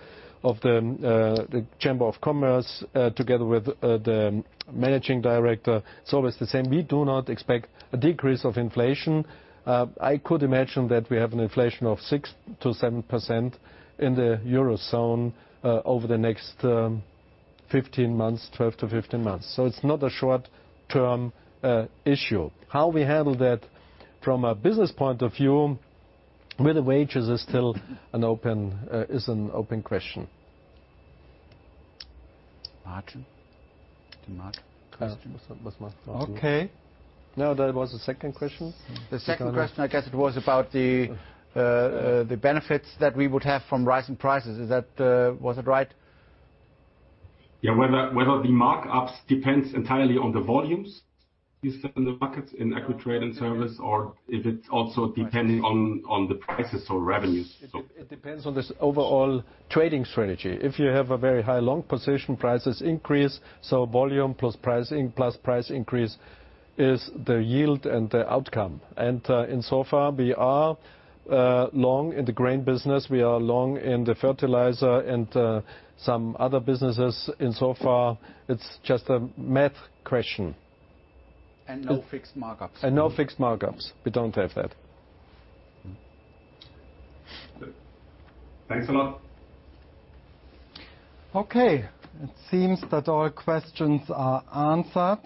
of the Chamber of Commerce, together with the Managing Director, it's always the same. We do not expect a decrease of inflation. I could imagine that we have an inflation of 6%-7% in the Eurozone over the next 15 months, 12-15 months. It's not a short-term issue. How we handle that from a business point of view with the wages is still an open question. Margin? The margin question. What was margin. Okay. No, that was the second question. The second question, I guess it was about the benefits that we would have from rising prices. Was it right? Whether the markups depends entirely on the volumes you sell in the markets in agri trade and service, or if it's also depending on the prices or revenues? It depends on this overall trading strategy. If you have a very high long position, prices increase, so volume plus pricing, plus price increase is the yield and the outcome. In so far, we are long in the grain business, we are long in the fertilizer and some other businesses. In so far, it's just a math question. No fixed markups. No fixed markups. We don't have that. Good. Thanks a lot. Okay. It seems that all questions are answered.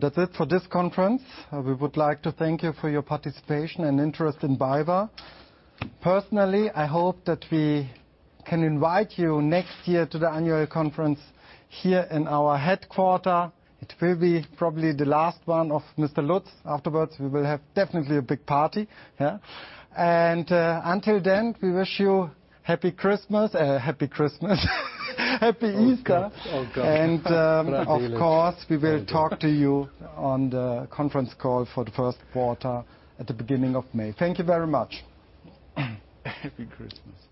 That's it for this conference. We would like to thank you for your participation and interest in BayWa. Personally, I hope that we can invite you next year to the annual conference here in our headquarters. It will be probably the last one of Mr. Lutz. Afterwards, we will have definitely a big party, yeah. Until then, we wish you Happy Christmas. Happy Christmas. Oh, God. Oh, God. Happy Easter. Of course, we will talk to you on the conference call for the first quarter at the beginning of May. Thank you very much. Happy Christmas.